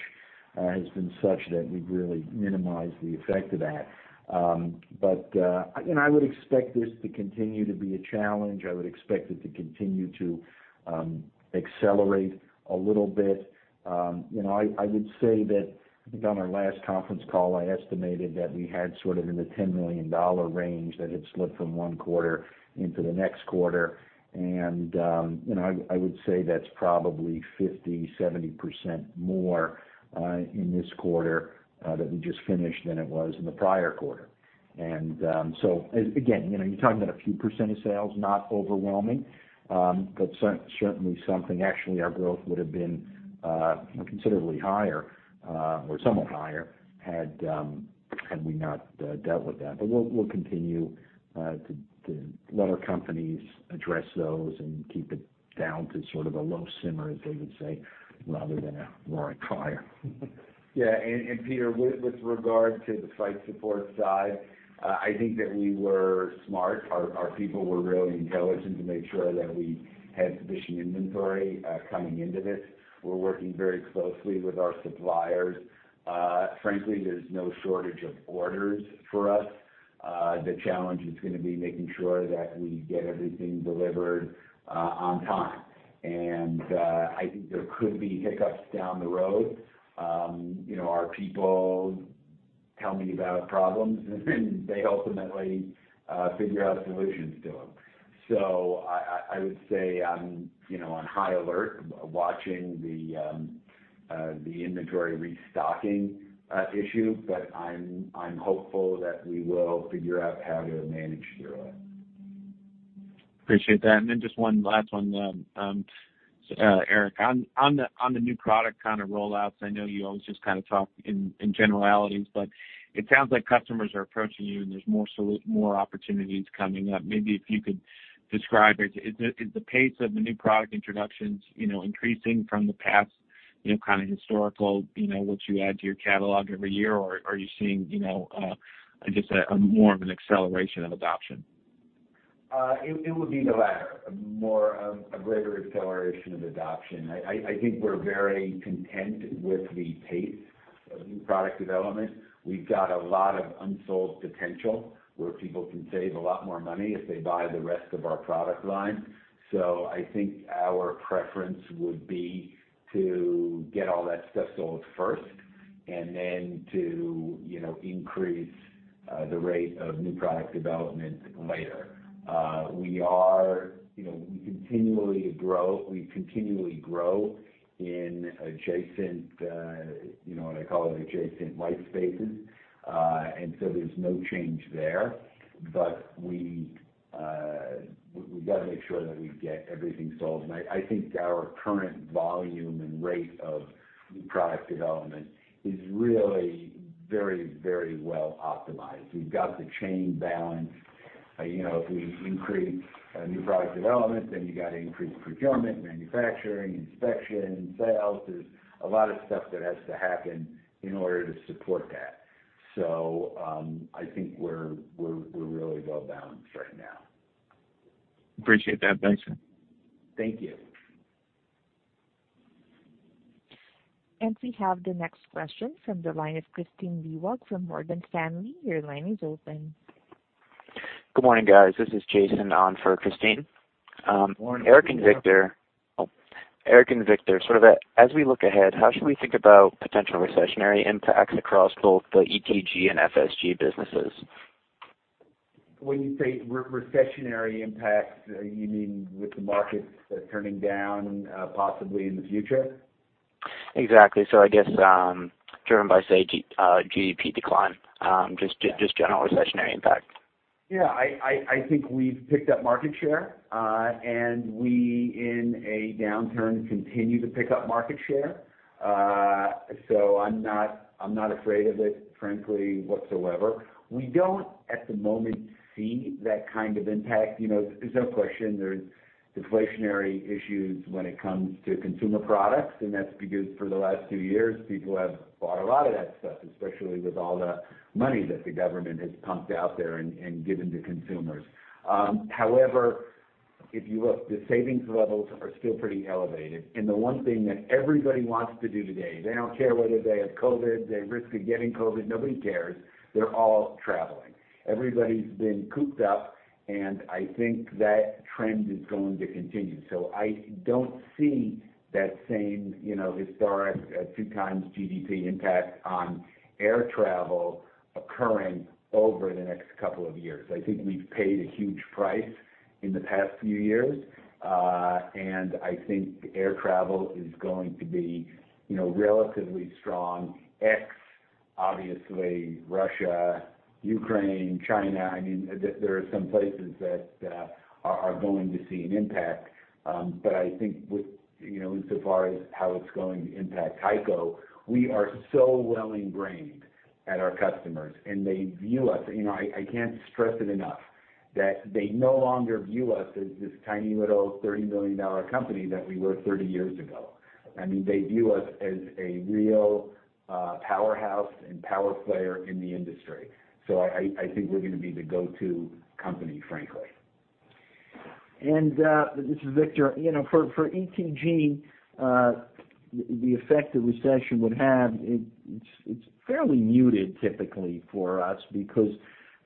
has been such that we've really minimized the effect of that. I would expect this to continue to be a challenge. I would expect it to continue to accelerate a little bit. You know, I would say that I think on our last conference call, I estimated that we had sort of in the $10 million range that had slipped from one quarter into the next quarter. You know, I would say that's probably 50%-70% more in this quarter that we just finished than it was in the prior quarter. You know, again, you're talking about a few percent of sales, not overwhelming, but certainly something. Actually, our growth would have been, you know, considerably higher or somewhat higher had we not dealt with that. We'll continue to let our companies address those and keep it down to sort of a low simmer, as they would say, rather than more of a fire. Yes and Peter, with regard to the Flight Support side, I think that we were smart. Our people were really intelligent to make sure that we had sufficient inventory coming into this. We're working very closely with our suppliers. Frankly, there's no shortage of orders for us. The challenge is gonna be making sure that we get everything delivered on time. I think there could be hiccups down the road. You know, our people tell me about problems, and they ultimately figure out solutions to them. I would say I'm, you know, on high alert watching the inventory restocking issue, but I'm hopeful that we will figure out how to manage through it. Appreciate that. Just one last one, Eric, on the new product kind of rollouts. I know you always just kind of talk in generalities, but it sounds like customers are approaching you, and there's more opportunities coming up. Maybe if you could describe it. Is the pace of the new product introductions, you know, increasing from the past, you know, kind of historical, you know, what you add to your catalog every year? Or are you seeing, you know, just more of an acceleration of adoption? It would be the latter, more a greater acceleration of adoption. I think we're very content with the pace of new product development. We've got a lot of unsold potential where people can save a lot more money if they buy the rest of our product line. I think our preference would be to get all that stuff sold first and then to, you know, increase the rate of new product development later. We continually grow in adjacent, you know, what I call adjacent life spaces. There's no change there. We've got to make sure that we get everything sold. I think our current volume and rate of new product development is really very, very well optimized. We've got the chain balanced. You know, if we increase new product development, then you got to increase procurement, manufacturing, inspection, sales. There's a lot of stuff that has to happen in order to support that. I think we're really well balanced right now. Appreciate that. Thanks. Thank you. We have the next question from the line of Kristine Liwag from Morgan Stanley. Your line is open. Good morning, guys. This is Jason on for Kristine Liwag. Morning. Eric and Victor. Eric and Victor, sort of as we look ahead, how should we think about potential recessionary impacts across both the ETG and FSG businesses? When you say recessionary impacts, you mean with the markets turning down, possibly in the future? Exactly. I guess driven by, say, GDP decline, just general recessionary impact. Yeah. I think we've picked up market share, and we, in a downturn, continue to pick up market share. So I'm not afraid of it, frankly, whatsoever. We don't at the moment see that kind of impact. You know, there's no question there's deflationary issues when it comes to consumer products, and that's because for the last two years, people have bought a lot of that stuff, especially with all the money that the government has pumped out there and given to consumers. However, if you look, the savings levels are still pretty elevated. The one thing that everybody wants to do today, they don't care whether they have COVID, the risk of getting COVID, nobody cares. They're all traveling. Everybody's been cooped up, and I think that trend is going to continue. I don't see that same, you know, historic, two times GDP impact on air travel occurring over the next couple of years. I think we've paid a huge price in the past few years, and I think air travel is going to be, you know, relatively strong. Excluding obviously Russia, Ukraine, China, I mean, there are some places that are going to see an impact. But I think with, you know, insofar as how it's going to impact HEICO, we are so well ingrained at our customers, and they view us. You know, I can't stress it enough that they no longer view us as this tiny little $30 million company that we were 30 years ago. I mean, they view us as a real, powerhouse and power player in the industry. I think we're gonna be the go-to company, frankly. This is Victor. You know, for ETG, the effect the recession would have, it's fairly muted typically for us because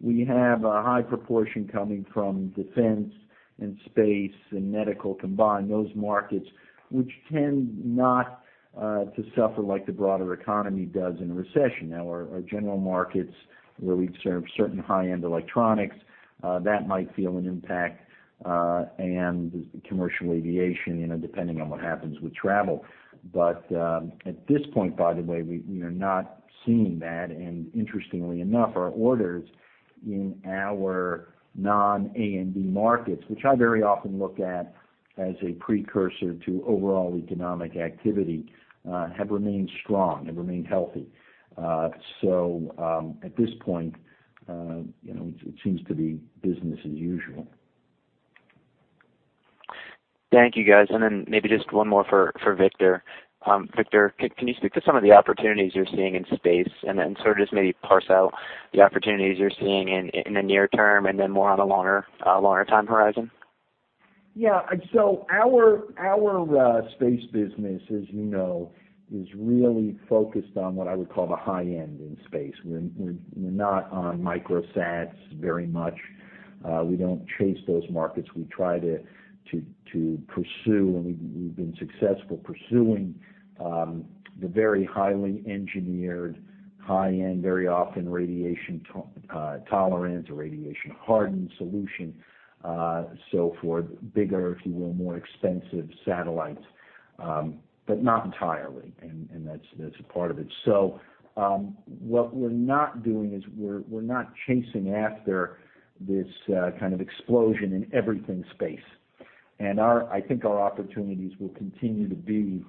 we have a high proportion coming from defense and space and medical combined, those markets which tend not to suffer like the broader economy does in a recession. Now, our general markets where we serve certain high-end electronics, that might feel an impact and commercial aviation, you know, depending on what happens with travel. At this point, by the way, we are not seeing that. Interestingly enough, our orders in our non-A&D markets, which I very often look at as a precursor to overall economic activity, have remained strong and healthy. At this point, you know, it seems to be business as usual. Thank you, guys. Maybe just one more for Victor. Victor, can you speak to some of the opportunities you're seeing in space and then sort of just maybe parse out the opportunities you're seeing in the near term and then more on a longer time horizon? Yeah. Our space business, as you know, is really focused on what I would call the high end in space. We're not on microsats very much. We don't chase those markets. We try to pursue, and we've been successful pursuing, the very highly engineered, high-end, very often radiation tolerance or radiation-hardened solution, so for bigger, if you will, more expensive satellites, but not entirely. That's a part of it. What we're not doing is we're not chasing after this kind of explosion in everything space. I think our opportunities will continue to be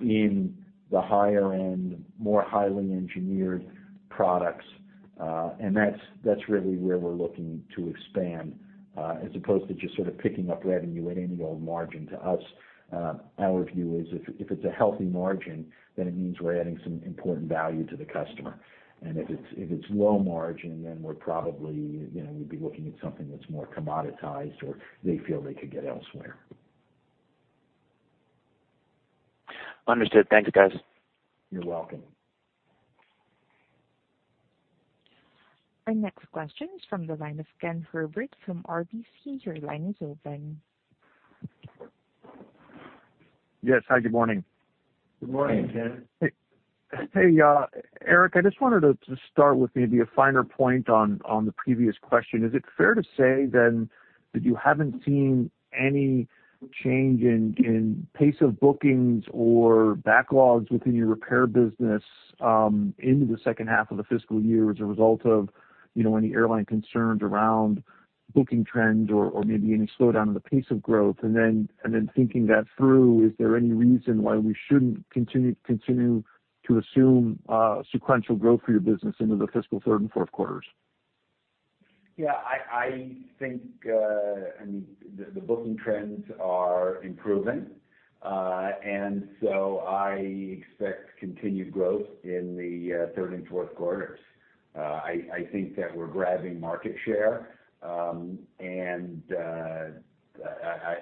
in the higher end, more highly engineered products. That's really where we're looking to expand, as opposed to just sort of picking up revenue at any old margin. To us, our view is if it's a healthy margin, then it means we're adding some important value to the customer. If it's low margin, then we're probably, you know, we'd be looking at something that's more commoditized or they feel they could get elsewhere. Understood. Thanks guys. You're welcome. Our next question is from the line of Ken Herbert from RBC. Your line is open. Yes. Hi, good morning. Good morning, Ken. Hey, Eric, I just wanted to start with maybe a finer point on the previous question. Is it fair to say then that you haven't seen any change in pace of bookings or backlogs within your repair business into the second half of the fiscal year as a result of, you know, any airline concerns around booking trends or maybe any slowdown in the pace of growth? Thinking that through, is there any reason why we shouldn't continue to assume sequential growth for your business into the fiscal third and fourth quarters? Yeah, I think, I mean, the booking trends are improving. I expect continued growth in the third and fourth quarters. I think that we're grabbing market share, and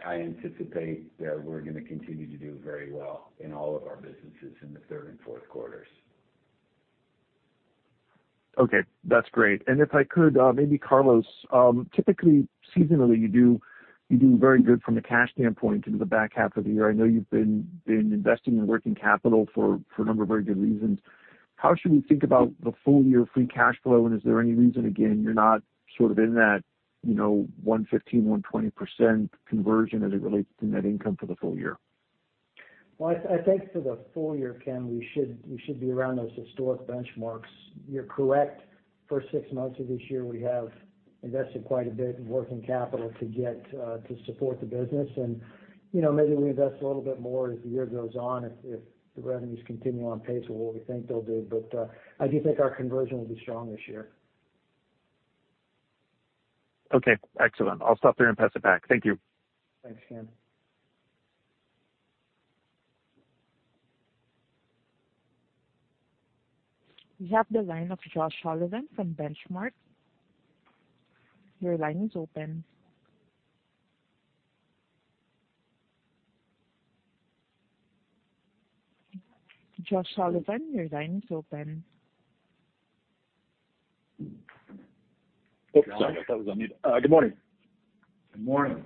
I anticipate that we're gonna continue to do very well in all of our businesses in the third and fourth quarters. Okay, that's great. If I could, maybe Carlos, typically seasonally, you do very good from a cash standpoint into the back half of the year. I know you've been investing in working capital for a number of very good reasons. How should we think about the full year free cash flow, and is there any reason, again, you're not sort of in that, you know, 115%-120% conversion as it relates to net income for the full year? Well, I think for the full year, Ken, we should be around those historic benchmarks. You're correct. First six months of this year, we have invested quite a bit in working capital to get to support the business. You know, maybe we invest a little bit more as the year goes on if the revenues continue on pace with what we think they'll do. I do think our conversion will be strong this year. Okay, excellent. I'll stop there and pass it back. Thank you. Thanks, Ken. We have the line of Josh Sullivan from Benchmark. Your line is open. Josh Sullivan, your line is open. Oops, sorry. I thought I was on mute. Good morning. Good morning.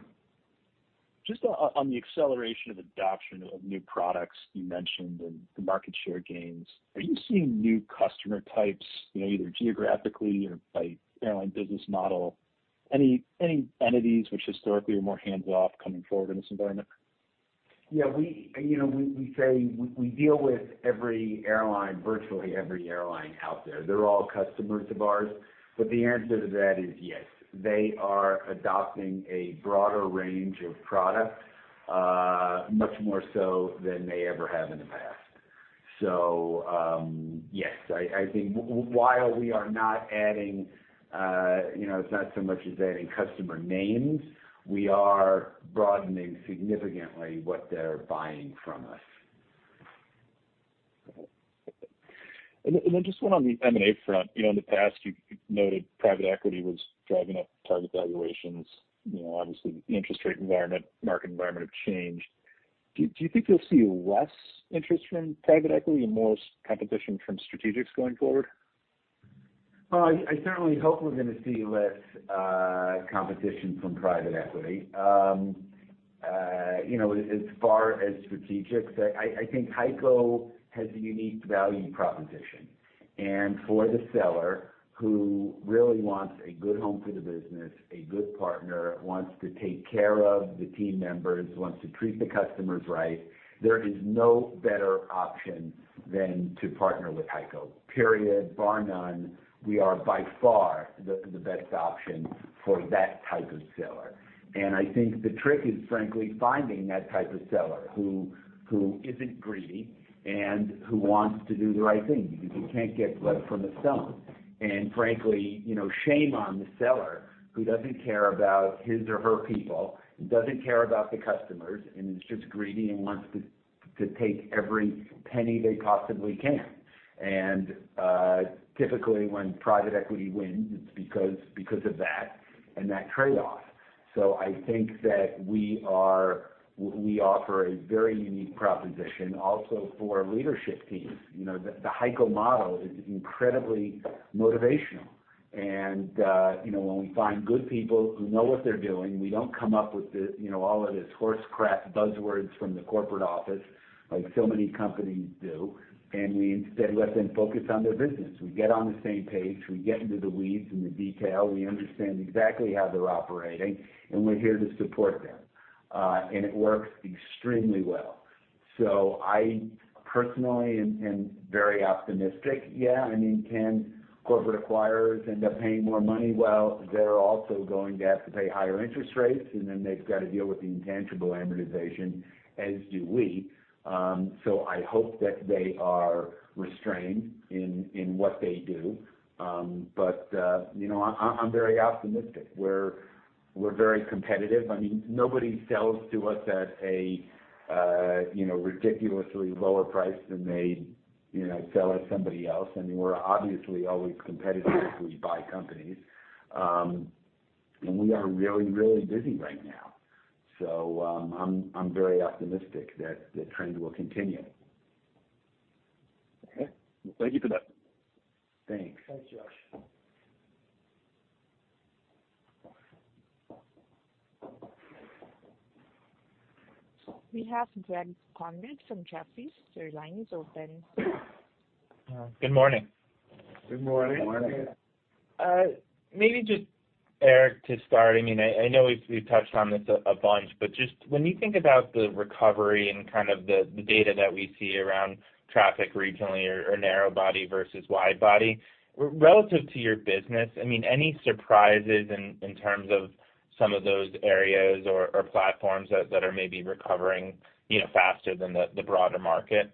Just on the acceleration of adoption of new products you mentioned and the market share gains, are you seeing new customer types, you know, either geographically or by airline business model, any entities which historically were more hands-off coming forward in this environment? Yeah. We, you know, say we deal with every airline, virtually every airline out there. They're all customers of ours. The answer to that is yes. They are adopting a broader range of products, much more so than they ever have in the past. Yes. I think while we are not adding, you know, it's not so much as adding customer names, we are broadening significantly what they're buying from us. Okay. Just one on the M&A front. You know, in the past you noted private equity was driving up target valuations. You know, obviously the interest rate environment, market environment have changed. Do you think you'll see less interest from private equity and more competition from strategics going forward? Well, I certainly hope we're gonna see less competition from private equity. You know, as far as strategics, I think HEICO has a unique value proposition. For the seller who really wants a good home for the business, a good partner, wants to take care of the team members, wants to treat the customers right, there is no better option than to partner with HEICO, period, bar none. We are by far the best option for that type of seller. I think the trick is frankly finding that type of seller who isn't greedy and who wants to do the right thing, because you can't get blood from a stone. Frankly, you know, shame on the seller who doesn't care about his or her people, who doesn't care about the customers, and is just greedy and wants to take every penny they possibly can. Typically, when private equity wins, it's because of that and that trade-off. I think that we offer a very unique proposition also for leadership teams. You know, the HEICO model is incredibly motivational. You know, when we find good people who know what they're doing, we don't come up with the, you know, all of this horse crap buzzwords from the corporate office, like so many companies do, and we instead let them focus on their business. We get on the same page. We get into the weeds and the detail. We understand exactly how they're operating, and we're here to support them. It works extremely well. I personally am very optimistic. Yeah, I mean, can corporate acquirers end up paying more money? Well, they're also going to have to pay higher interest rates, and then they've got to deal with the intangible amortization, as do we. I hope that they are restrained in what they do. You know, I'm very optimistic. We're very competitive. I mean, nobody sells to us at a you know ridiculously lower price than they you know sell at somebody else. I mean, we're obviously always competitive as we buy companies. We are really, really busy right now. I'm very optimistic that the trend will continue. Okay. Thank you for that. Thanks. Thanks, Josh. We have Greg Konrad from Jefferies. Your line is open. Good morning. Good morning. Morning. Maybe just Eric to start. I mean, I know we've touched on this a bunch, but just when you think about the recovery and kind of the data that we see around traffic regionally or narrow body versus wide body, relative to your business, I mean, any surprises in terms of some of those areas or platforms that are maybe recovering, you know, faster than the broader market?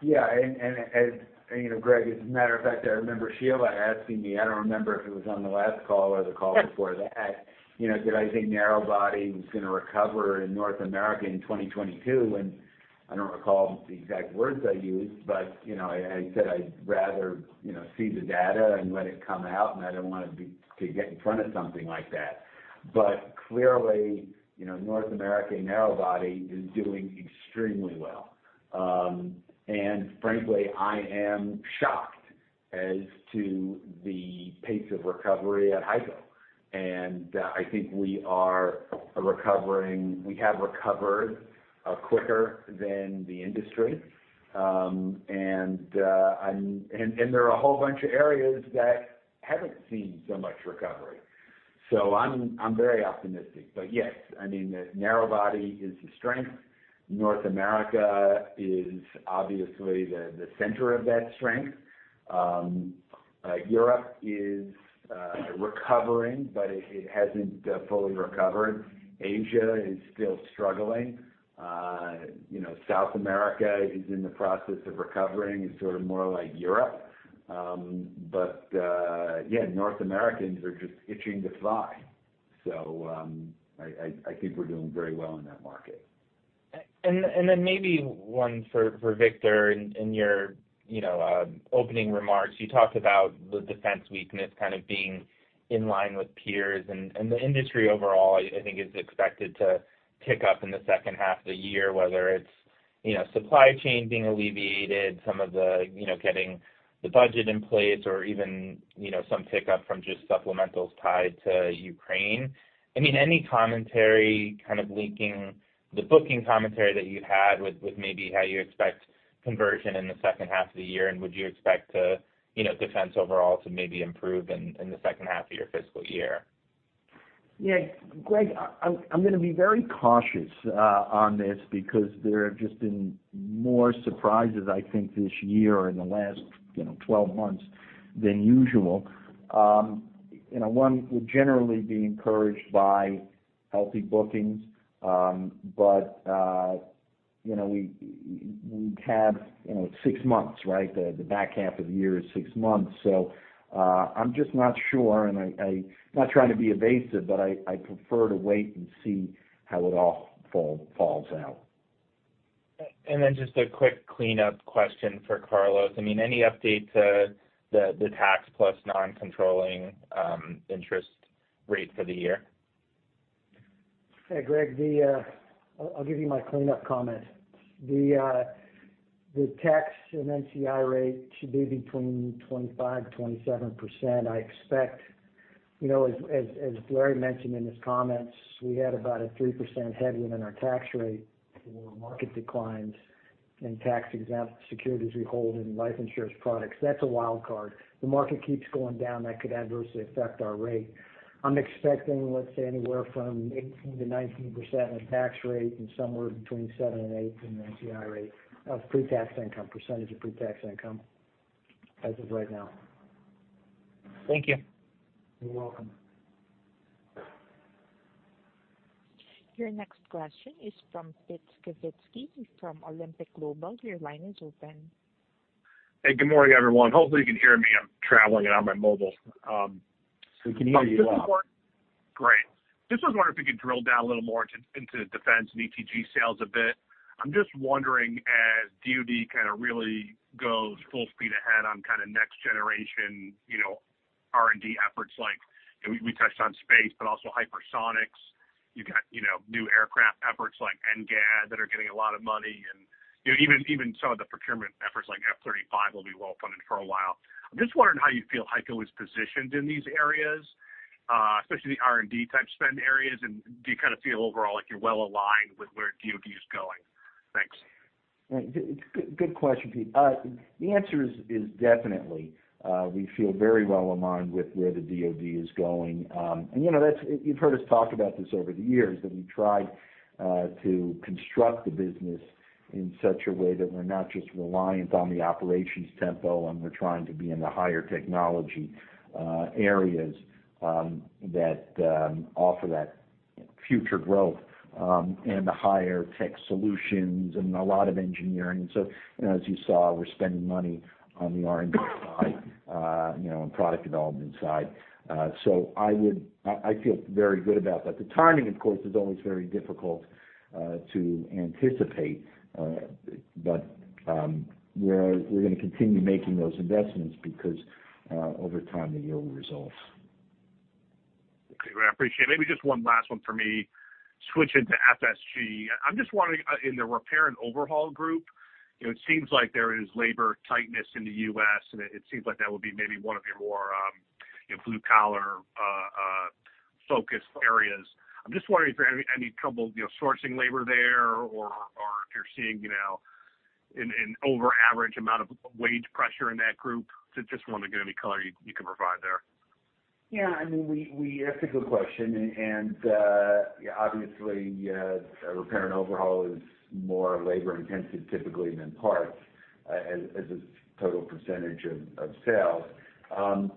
Yeah. As you know, Greg, as a matter of fact, I remember Sheila asking me. I don't remember if it was on the last call or the call before that, you know, did I think narrow body was gonna recover in North America in 2022? I don't recall the exact words I used, but, you know, I said I'd rather, you know, see the data and let it come out, and I don't wanna get in front of something like that. Clearly, you know, North America narrow body is doing extremely well. Frankly, I am shocked as to the pace of recovery at HEICO. I think we have recovered quicker than the industry. There are a whole bunch of areas that haven't seen so much recovery. I'm very optimistic. Yes, I mean, narrow body is the strength. North America is obviously the center of that strength. Europe is recovering, but it hasn't fully recovered. Asia is still struggling. You know, South America is in the process of recovering, it's sort of more like Europe. Yeah, North Americans are just itching to fly. I think we're doing very well in that market. Maybe one for Victor. In your you know opening remarks, you talked about the defense weakness kind of being in line with peers. The industry overall I think is expected to pick up in the second half of the year, whether it's you know supply chain being alleviated, some of the you know getting the budget in place or even you know some pickup from just supplementals tied to Ukraine. I mean, any commentary kind of linking the booking commentary that you had with maybe how you expect conversion in the second half of the year, and would you expect to you know defense overall to maybe improve in the second half of your fiscal year? Yeah. Greg, I'm gonna be very cautious on this because there have just been more surprises, I think, this year or in the last 12 months than usual. You know, one would generally be encouraged by healthy bookings. You know, we have six months, right? The back half of the year is six months. I'm just not sure, and I'm not trying to be evasive, but I prefer to wait and see how it all falls out. Just a quick cleanup question for Carlos. I mean, any update to the tax plus non-controlling interest rate for the year? Hey, Greg, I'll give you my cleanup comment. The tax and NCI rate should be between 25%-27%. I expect, you know, as Larry mentioned in his comments, we had about a 3% headroom in our tax rate when the market declines in tax-exempt securities we hold in life insurance products. That's a wild card. The market keeps going down, that could adversely affect our rate. I'm expecting, let's say, anywhere from 18%-19% in tax rate and somewhere between 7%-8% in the NCI rate of pre-tax income, percentage of pre-tax income as of right now. Thank you. You're welcome. Your next question is from Pete Skibitski from Alembic Global. Your line is open. Hey, good morning, everyone. Hopefully you can hear me. I'm traveling and on my mobile. We can hear you well. Great. Just was wondering if you could drill down a little more into defense and ETG sales a bit. I'm just wondering, as DoD kind of really goes full speed ahead on kind of next generation, you know, R&D efforts like, you know, we touched on space, but also hypersonics. You got, you know, new aircraft efforts like NGAD that are getting a lot of money and, you know, even some of the procurement efforts like F-35 will be well-funded for a while. I'm just wondering how you feel HEICO is positioned in these areas, especially the R&D type spend areas. Do you kind of feel overall like you're well aligned with where DoD is going? Thanks. Right. Good question, Pete. The answer is definitely. We feel very well aligned with where the DoD is going. You know, you've heard us talk about this over the years, that we try to construct the business in such a way that we're not just reliant on the operations tempo, and we're trying to be in the higher technology areas that offer that future growth, and the higher tech solutions and a lot of engineering. You know, as you saw, we're spending money on the R&D side, you know, and product development side. I feel very good about that. The timing, of course, is always very difficult to anticipate. We're gonna continue making those investments because over time, they yield results. I appreciate. Maybe just one last one for me. Switching to FSG, I'm just wondering in the repair and overhaul group, you know, it seems like there is labor tightness in the U.S., and it seems like that would be maybe one of your more, you know, blue-collar focused areas. I'm just wondering if you're having any trouble, you know, sourcing labor there or if you're seeing, you know, an over average amount of wage pressure in that group. Just wondering any color you can provide there. Yeah, I mean, that's a good question. Yeah, obviously, repair and overhaul is more labor intensive typically than parts, as a total percentage of sales.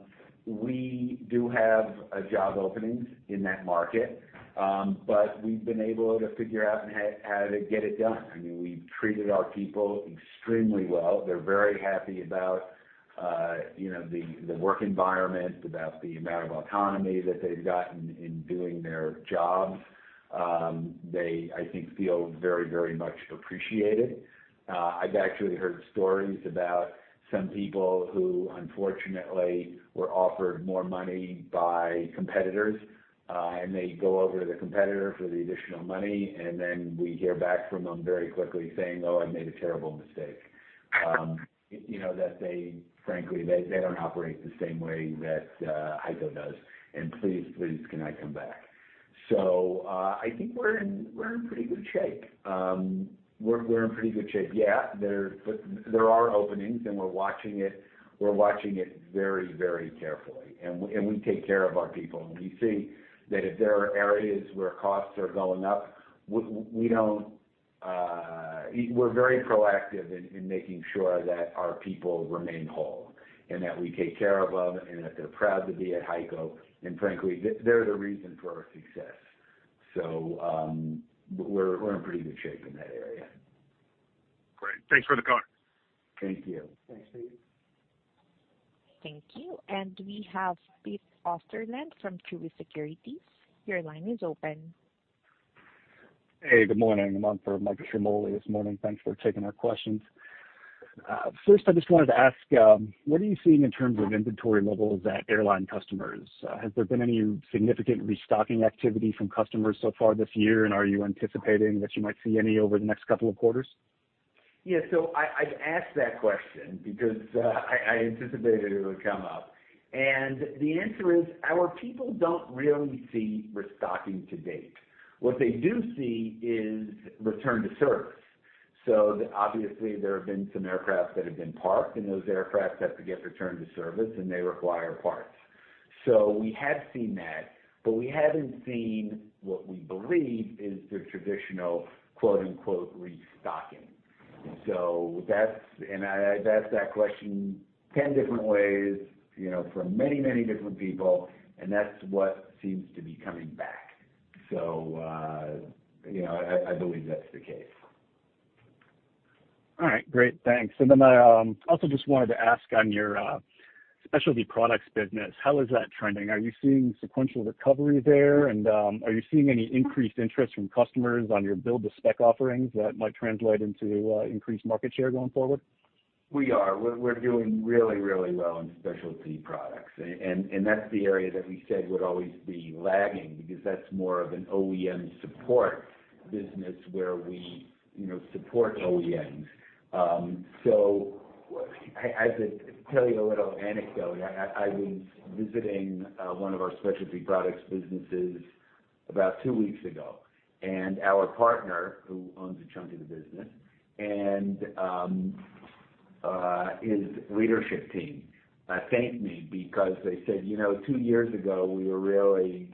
We do have job openings in that market, but we've been able to figure out how to get it done. I mean, we've treated our people extremely well. They're very happy about, you know, the work environment, about the amount of autonomy that they've gotten in doing their jobs. They, I think, feel very much appreciated. I've actually heard stories about some people who unfortunately were offered more money by competitors, and they go over to the competitor for the additional money, and then we hear back from them very quickly saying, "Oh, I made a terrible mistake." You know, that they frankly, they don't operate the same way that HEICO does, and please, can I come back? I think we're in pretty good shape. We're in pretty good shape. Yeah, but there are openings, and we're watching it. We're watching it very, very carefully. We take care of our people. We see that if there are areas where costs are going up, we don't, we're very proactive in making sure that our people remain whole and that we take care of them, and that they're proud to be at HEICO. Frankly, they're the reason for our success. We're in pretty good shape in that area. Great. Thanks for the color. Thank you. Thanks, Pete. Thank you. We have Pete Osterland from Truist Securities. Your line is open. Hey, good morning. I'm on for Michael Ciarmoli this morning. Thanks for taking our questions. First, I just wanted to ask, what are you seeing in terms of inventory levels at airline customers? Has there been any significant restocking activity from customers so far this year, and are you anticipating that you might see any over the next couple of quarters? Yeah. So I asked that question because I anticipated it would come up. The answer is, our people don't really see restocking to date. What they do see is return to service. Obviously there have been some aircraft that have been parked, and those aircraft have to get returned to service, and they require parts. We have seen that, but we haven't seen what we believe is the traditional quote-unquote restocking. That's and I've asked that question 10 different ways, you know, from many different people, and that's what seems to be coming back. You know, I believe that's the case. All right, great. Thanks. I also just wanted to ask on your specialty products business, how is that trending? Are you seeing sequential recovery there? Are you seeing any increased interest from customers on your build-to-spec offerings that might translate into increased market share going forward? We're doing really well in specialty products. That's the area that we said would always be lagging because that's more of an OEM support business where we, you know, support OEMs. I could tell you a little anecdote. I was visiting one of our specialty products businesses about two weeks ago, and our partner, who owns a chunk of the business, his leadership team thanked me because they said, "You know, two years ago, we were really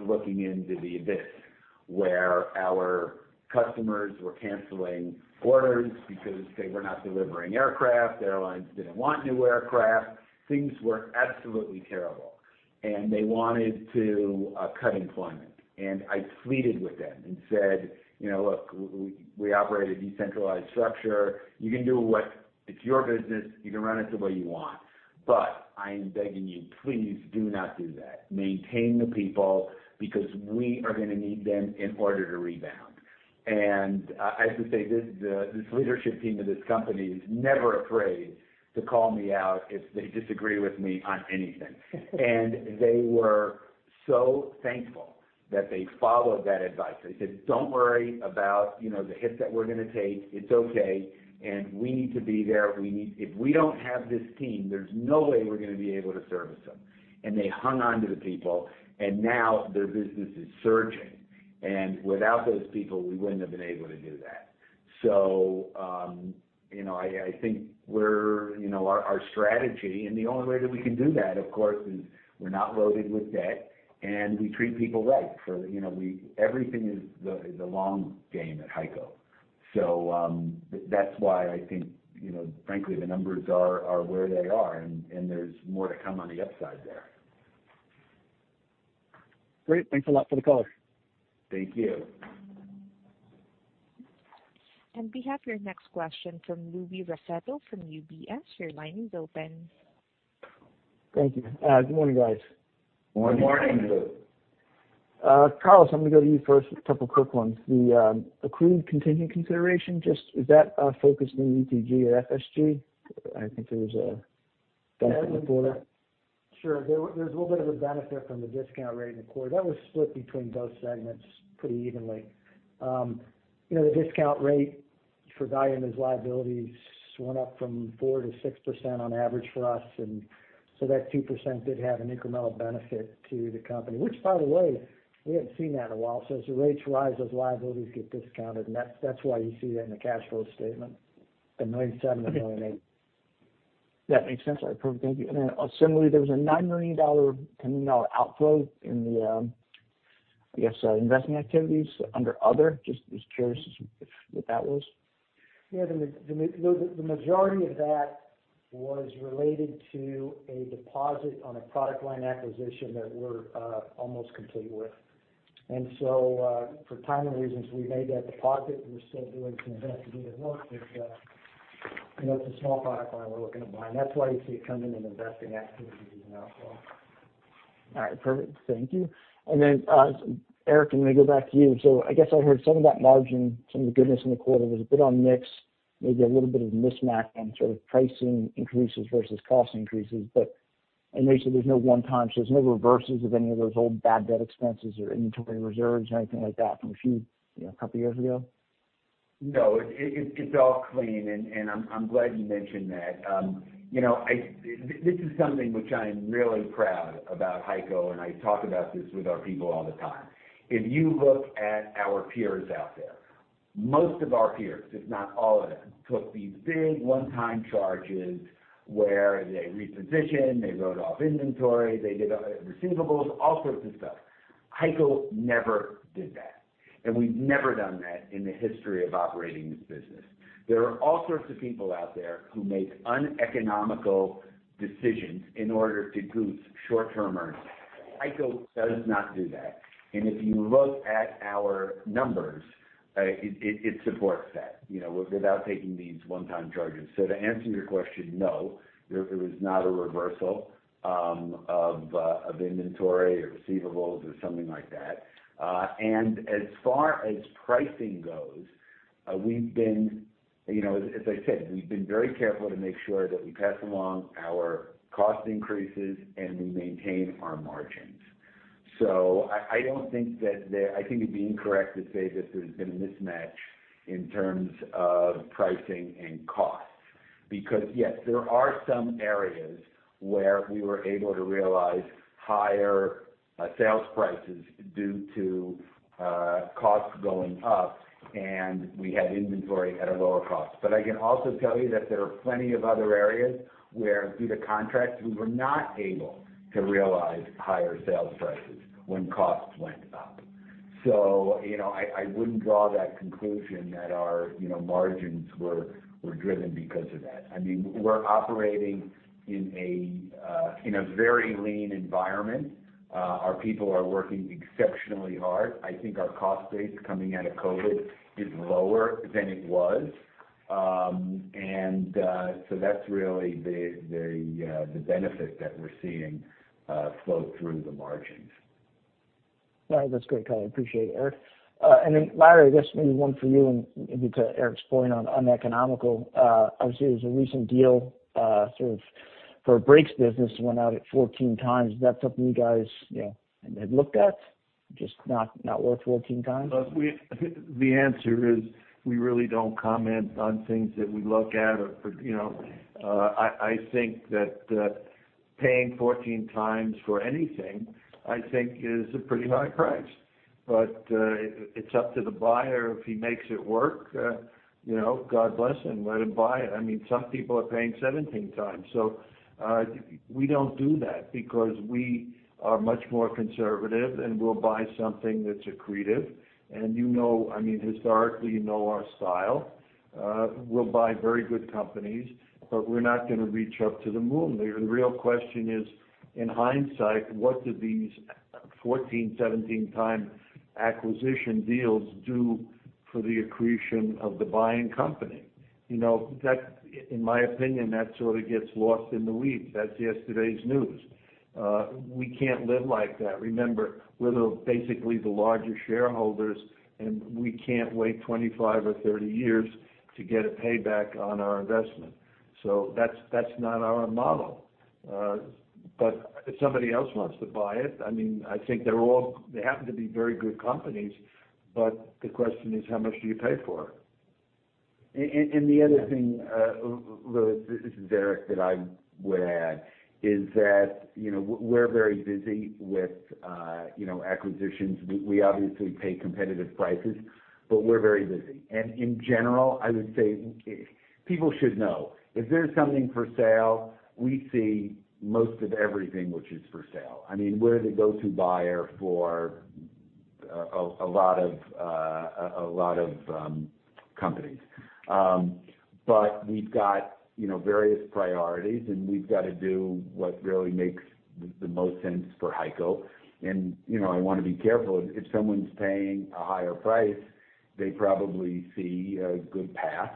looking into the abyss, where our customers were canceling orders because they were not delivering aircraft. Airlines didn't want new aircraft. Things were absolutely terrible. And they wanted to cut employment. I pleaded with them and said, "You know, look, we operate a decentralized structure. It's your business. You can run it the way you want. I am begging you, please do not do that. Maintain the people because we are gonna need them in order to rebound." I have to say, this leadership team of this company is never afraid to call me out if they disagree with me on anything. They were so thankful that they followed that advice. They said, "Don't worry about, you know, the hits that we're gonna take. It's okay, and we need to be there. If we don't have this team, there's no way we're gonna be able to service them." They hung on to the people, and now their business is surging. Without those people, we wouldn't have been able to do that. You know, I think we're you know our strategy and the only way that we can do that, of course, is we're not loaded with debt, and we treat people right. You know, everything is the long game at HEICO. That's why I think you know frankly the numbers are where they are, and there's more to come on the upside there. Great. Thanks a lot for the color. Thank you. We have your next question from Louis Raffetto from UBS. Your line is open. Thank you. Good morning, guys. Good morning, Louis. Good morning. Carlos, I'm gonna go to you first with a couple quick ones. The accrued contingent consideration, just is that focused in ETG or FSG? Sure. There's a little bit of a benefit from the discount rate in the quarter. That was split between both segments pretty evenly. You know, the discount rate for valuing of its liabilities went up from 4% to 6% on average for us. That 2% did have an incremental benefit to the company. Which by the way, we hadn't seen that in a while. As the rates rise, those liabilities get discounted, and that's why you see that in the cash flow statement, the $1.7 million or $1.8 million. That makes sense. All right, perfect. Thank you. Similarly, there was a $9 million, $10 million outflow in the investing activities under other. Just curious what that was? Yeah. The majority of that was related to a deposit on a product line acquisition that we're almost complete with. For timing reasons, we made that deposit. We're still doing some investigative work with, you know, it's a small product line we're looking to buy, and that's why you see it come in investing activities as an outflow. All right. Perfect. Thank you. Eric, I'm gonna go back to you. I guess I heard some of that margin, some of the goodness in the quarter was a bit on mix, maybe a little bit of a mismatch on sort of pricing increases versus cost increases. I know you said there's no one-time, so there's no reversals of any of those old bad debt expenses or inventory reserves or anything like that from a few, you know, couple years ago. No. It's all clean, and I'm glad you mentioned that. You know, this is something which I am really proud about HEICO, and I talk about this with our people all the time. If you look at our peers out there, most of our peers, if not all of them, took these big one-time charges where they reposition, they wrote off inventory, they did receivables, all sorts of stuff. HEICO never did that, and we've never done that in the history of operating this business. There are all sorts of people out there who make uneconomical decisions in order to goose short-term earnings. HEICO does not do that. If you look at our numbers, it supports that, you know, without taking these one-time charges. To answer your question, no, there was not a reversal of inventory or receivables or something like that. As far as pricing goes, we've been, you know, as I said, very careful to make sure that we pass along our cost increases and we maintain our margins. I think it'd be incorrect to say that there's been a mismatch in terms of pricing and costs. Because, yes, there are some areas where we were able to realize higher sales prices due to costs going up, and we had inventory at a lower cost. But I can also tell you that there are plenty of other areas where through the contracts, we were not able to realize higher sales prices when costs went up. You know, I wouldn't draw that conclusion that our, you know, margins were driven because of that. I mean, we're operating in a very lean environment. Our people are working exceptionally hard. I think our cost base coming out of COVID is lower than it was. That's really the benefit that we're seeing flow through the margins. All right. That's great color. I appreciate it, Eric. Larry, this may be one for you and maybe to Eric's point on uneconomical. Obviously, there's a recent deal, sort of for a brakes business that went out at 14 times. Is that something you guys, you know, had looked at, just not worth 14 times? I think the answer is we really don't comment on things that we look at or for, you know. I think that paying 14 times for anything, I think is a pretty high price. It's up to the buyer. If he makes it work, you know, God bless him, let him buy it. I mean, some people are paying 17 times. We don't do that because we are much more conservative, and we'll buy something that's accretive. You know, I mean, historically, you know our style. We'll buy very good companies, but we're not gonna reach up to the moon there. The real question is, in hindsight, what do these 14 times, 17 times acquisition deals do for the accretion of the buying company? You know, that, in my opinion, gets lost in the weeds. That's yesterday's news. We can't live like that. Remember, we're basically the larger shareholders, and we can't wait 25 or 30 years to get a payback on our investment. That's not our model. If somebody else wants to buy it, I mean, I think they're all, they happen to be very good companies, but the question is, how much do you pay for it? The other thing, Louis, this is Eric, that I would add is that, you know, we're very busy with, you know, acquisitions. We obviously pay competitive prices, but we're very busy. In general, I would say people should know if there's something for sale, we see most of everything which is for sale. I mean, we're the go-to buyer for a lot of companies. But we've got, you know, various priorities, and we've got to do what really makes the most sense for HEICO. You know, I wanna be careful. If someone's paying a higher price, they probably see a good path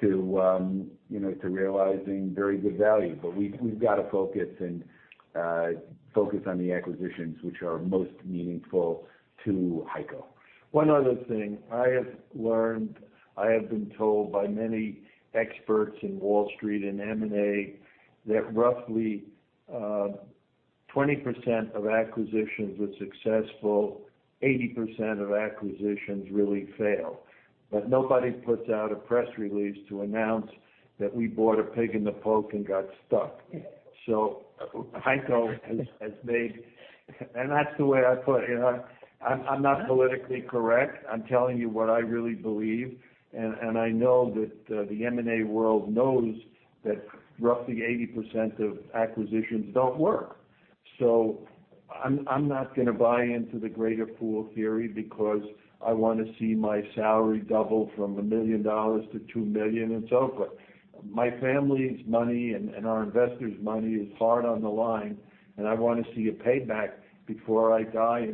to, you know, to realizing very good value. But we've got to focus on the acquisitions which are most meaningful to HEICO. One other thing. I have learned, I have been told by many experts in Wall Street and M&A that roughly 20% of acquisitions were successful, 80% of acquisitions really fail. Nobody puts out a press release to announce that we bought a pig in the poke and got stuck. HEICO has made. That's the way I put it, you know? I'm not politically correct. I'm telling you what I really believe, and I know that the M&A world knows that roughly 80% of acquisitions don't work. I'm not gonna buy into the greater fool theory because I wanna see my salary double from $1 million to $2 million and so forth. My family's money and our investors' money is hard on the line, and I wanna see it paid back before I die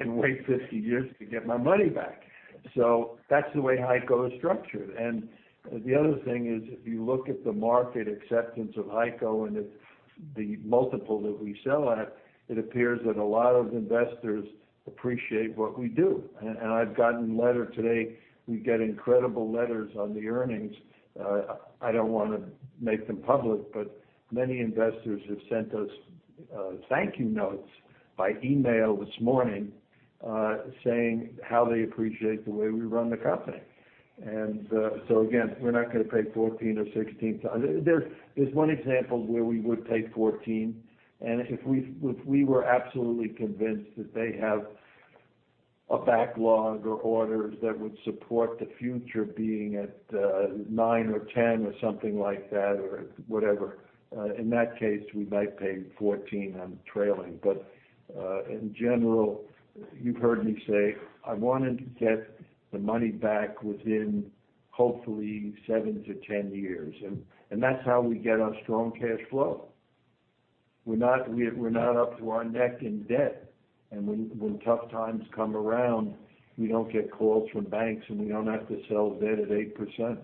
and wait 50 years to get my money back. That's the way HEICO is structured. The other thing is, if you look at the market acceptance of HEICO and the multiple that we sell at, it appears that a lot of investors appreciate what we do. I've gotten a letter today. We get incredible letters on the earnings. I don't wanna make them public, but many investors have sent us thank you notes by email this morning, saying how they appreciate the way we run the company. Again, we're not gonna pay 14 or 16 times. There's one example where we would pay 14, and if we were absolutely convinced that they have a backlog or orders that would support the future being at nine or 10 or something like that or whatever. In that case, we might pay 14 on trailing. But in general, you've heard me say, I wanted to get the money back within, hopefully, 7 to 10 years. And that's how we get our strong cash flow. We're not up to our neck in debt. And when tough times come around, we don't get calls from banks, and we don't have to sell debt at 8%.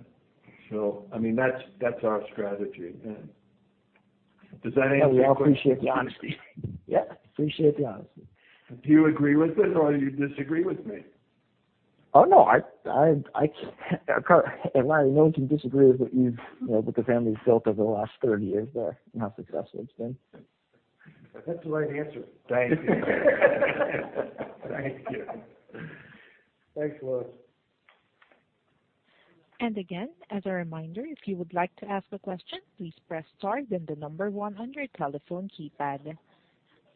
So I mean, that's our strategy. Yeah. Does that answer your question? Yeah, we all appreciate the honesty. Yeah, appreciate the honesty. Do you agree with it or you disagree with me? Larry, no one can disagree with what you've, you know, what the family's built over the last 30 years there and how successful it's been. That's the right answer. Thank you. Thanks, Louis. Again, as a reminder, if you would like to ask a question, please press star then the number one on your telephone keypad.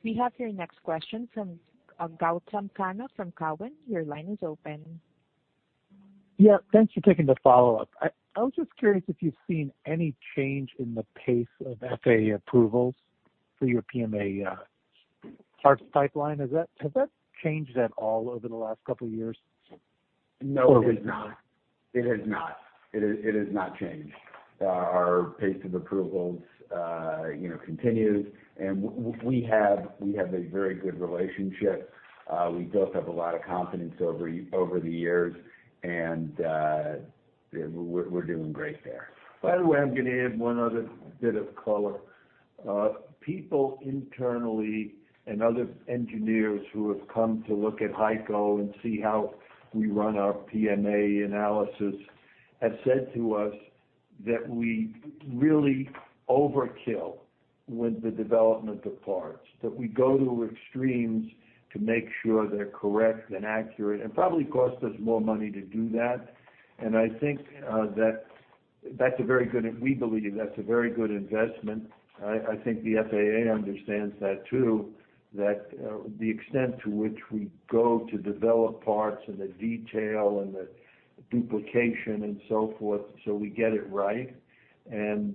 We have your next question from Gautam Khanna from Cowen. Your line is open. Yeah. Thanks for taking the follow-up. I was just curious if you've seen any change in the pace of FAA approvals for your PMA parts pipeline. Has that changed at all over the last couple years? No, it has not changed. Our pace of approvals, you know, continues, and we have a very good relationship. We built up a lot of confidence over the years, and we're doing great there. By the way, I'm gonna add one other bit of color. People internally and other engineers who have come to look at HEICO and see how we run our PMA analysis have said to us that we really overkill with the development of parts, that we go to extremes to make sure they're correct and accurate, and probably costs us more money to do that. I think we believe that's a very good investment. I think the FAA understands that too, that the extent to which we go to develop parts and the detail and the duplication and so forth, so we get it right, and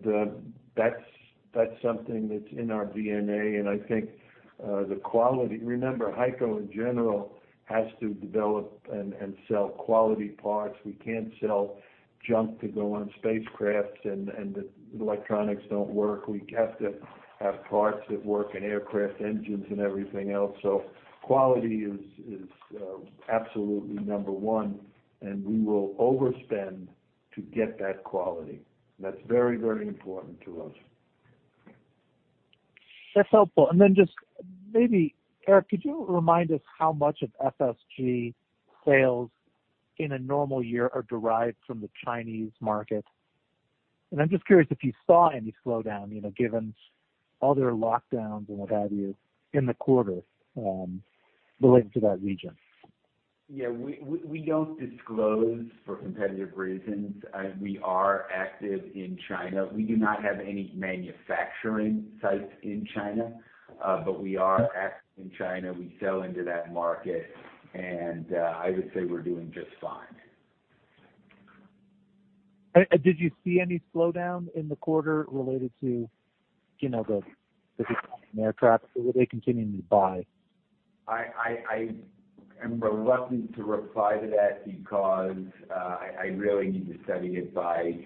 that's something that's in our DNA. Remember, HEICO in general has to develop and sell quality parts. We can't sell junk to go on spacecraft and the electronics don't work. We have to have parts that work in aircraft engines and everything else. Quality is absolutely number one, and we will overspend to get that quality. That's very, very important to us. That's helpful. Just maybe, Eric, could you remind us how much of FSG sales in a normal year are derived from the Chinese market? I'm just curious if you saw any slowdown, you know, given all their lockdowns and what have you in the quarter, related to that region? Yeah. We don't disclose for competitive reasons. We are active in China. We do not have any manufacturing sites in China, but we are active in China. We sell into that market. I would say we're doing just fine. Did you see any slowdown in the quarter related to, you know, the decline in aircraft? Or were they continuing to buy? I am reluctant to reply to that because I really need to study it by,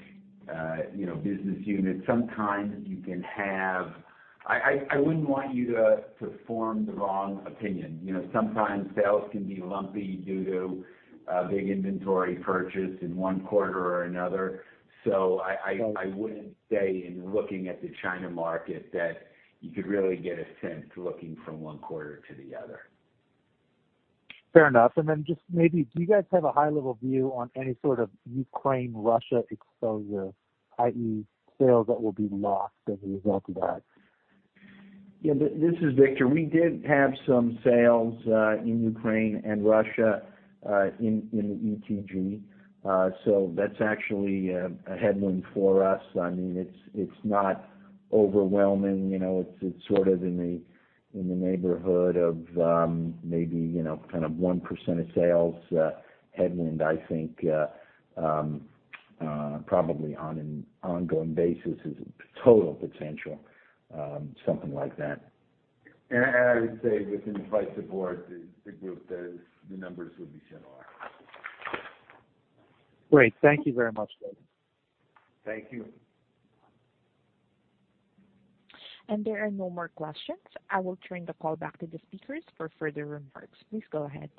you know, business unit. I wouldn't want you to form the wrong opinion. You know, sometimes sales can be lumpy due to a big inventory purchase in one quarter or another. I wouldn't say in looking at the China market that you could really get a sense looking from one quarter to the other. Fair enough. Just maybe, do you guys have a high-level view on any sort of Ukraine-Russia exposure, i.e., sales that will be lost as a result of that? Yeah. This is Victor. We did have some sales in Ukraine and Russia in ETG. That's actually a headwind for us. I mean, it's not overwhelming. You know, it's sort of in the neighborhood of maybe, you know, kind of 1% of sales headwind, I think, probably on an ongoing basis, total potential something like that. I would say within Flight Support, the group, the numbers would be similar. Great. Thank you very much. Thank you. There are no more questions. I will turn the call back to the speakers for further remarks. Please go ahead.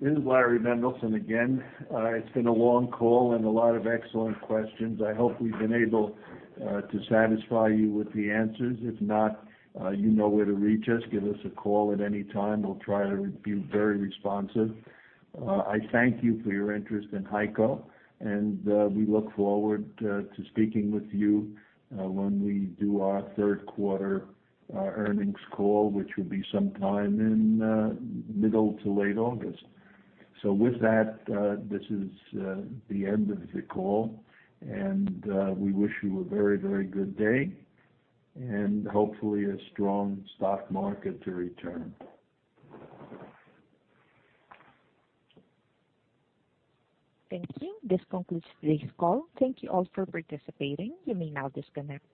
This is Larry Mendelson again. It's been a long call and a lot of excellent questions. I hope we've been able to satisfy you with the answers. If not, you know where to reach us. Give us a call at any time. We'll try to be very responsive. I thank you for your interest in HEICO, and we look forward to speaking with you when we do our third quarter earnings call, which will be sometime in middle to late August. With that, this is the end of the call, and we wish you a very, very good day and hopefully a strong stock market to return. Thank you. This concludes today's call. Thank you all for participating. You may now disconnect.